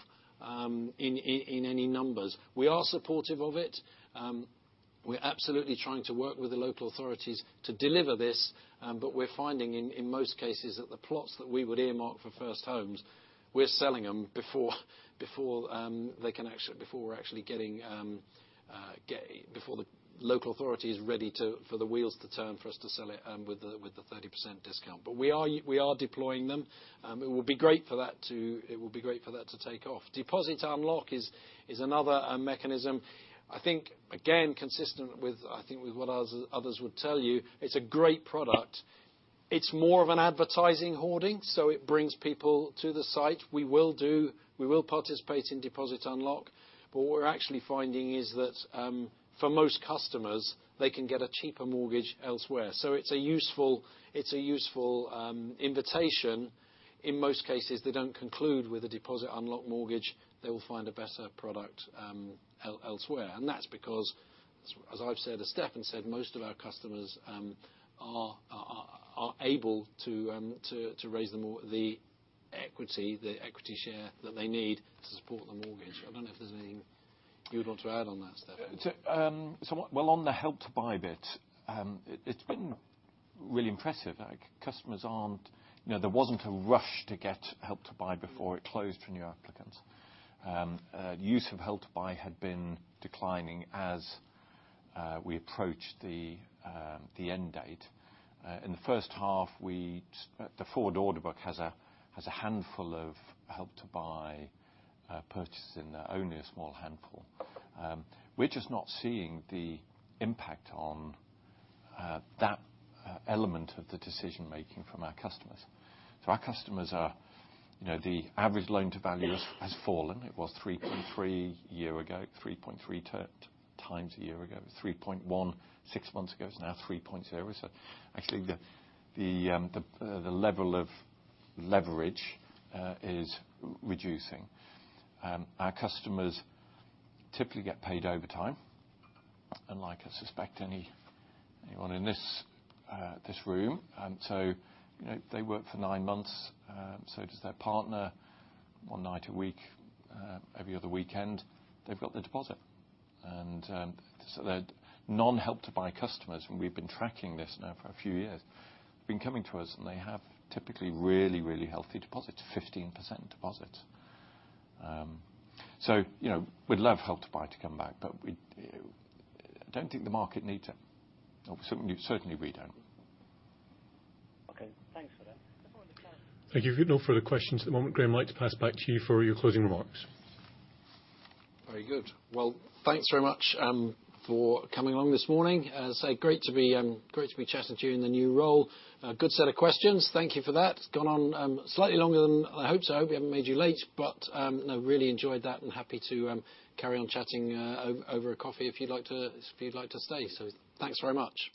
in any numbers. We are supportive of it. We're absolutely trying to work with the local authorities to deliver this. We're finding in most cases that the plots that we would earmark for First Homes, we're selling them before they can actually, before we're actually getting, before the local authority is ready to, for the wheels to turn for us to sell it, with the 30% discount. We are deploying them. It would be great for that to take off. Deposit Unlock is another mechanism. I think, again, consistent with what others would tell you, it's a great product. It's more of an advertising hoarding, so it brings people to the site. We will do, we will participate in Deposit Unlock, what we're actually finding is that, for most customers, they can get a cheaper mortgage elsewhere. It's a useful invitation. In most cases, they don't conclude with a Deposit Unlock mortgage. They will find a better product elsewhere. That's because, as I've said, as Stefan said, most of our customers are able to raise the equity, the equity share that they need to support the mortgage. I don't know if there's anything you'd want to add on that, Stefan. Well, on the Help to Buy bit, it's been really impressive. Like, customers aren't. You know, there wasn't a rush to get Help to Buy before it closed for new applicants. Use of Help to Buy had been declining as we approached the end date. In the first half, the forward order book has a handful of Help to Buy purchases in there, only a small handful. We're just not seeing the impact on that element of the decision-making from our customers. Our customers are, you know, the average loan to value has fallen. It was 3.3 a year ago, 3.3 times a year ago. 3.1 six months ago. It's now 3.0. Actually, the level of leverage is reducing. Our customers typically get paid overtime, unlike I suspect anyone in this room. You know, they work for 9 months, so does their partner. One night a week, every other weekend, they've got their deposit. The non-Help to Buy customers, and we've been tracking this now for a few years, have been coming to us, and they have typically really healthy deposits, 15% deposits. You know, we'd love Help to Buy to come back, but we don't think the market needs it, or certainly we don't. Okay, thanks for that. Thank you. No further questions at the moment. Graham, I'd like to pass back to you for your closing remarks. Very good. Well, thanks very much for coming along this morning. As I say, great to be great to be chatting to you in the new role. A good set of questions. Thank you for that. Gone on slightly longer than I hoped. I hope we haven't made you late, but no, really enjoyed that and happy to carry on chatting over a coffee if you'd like to, if you'd like to stay. Thanks very much.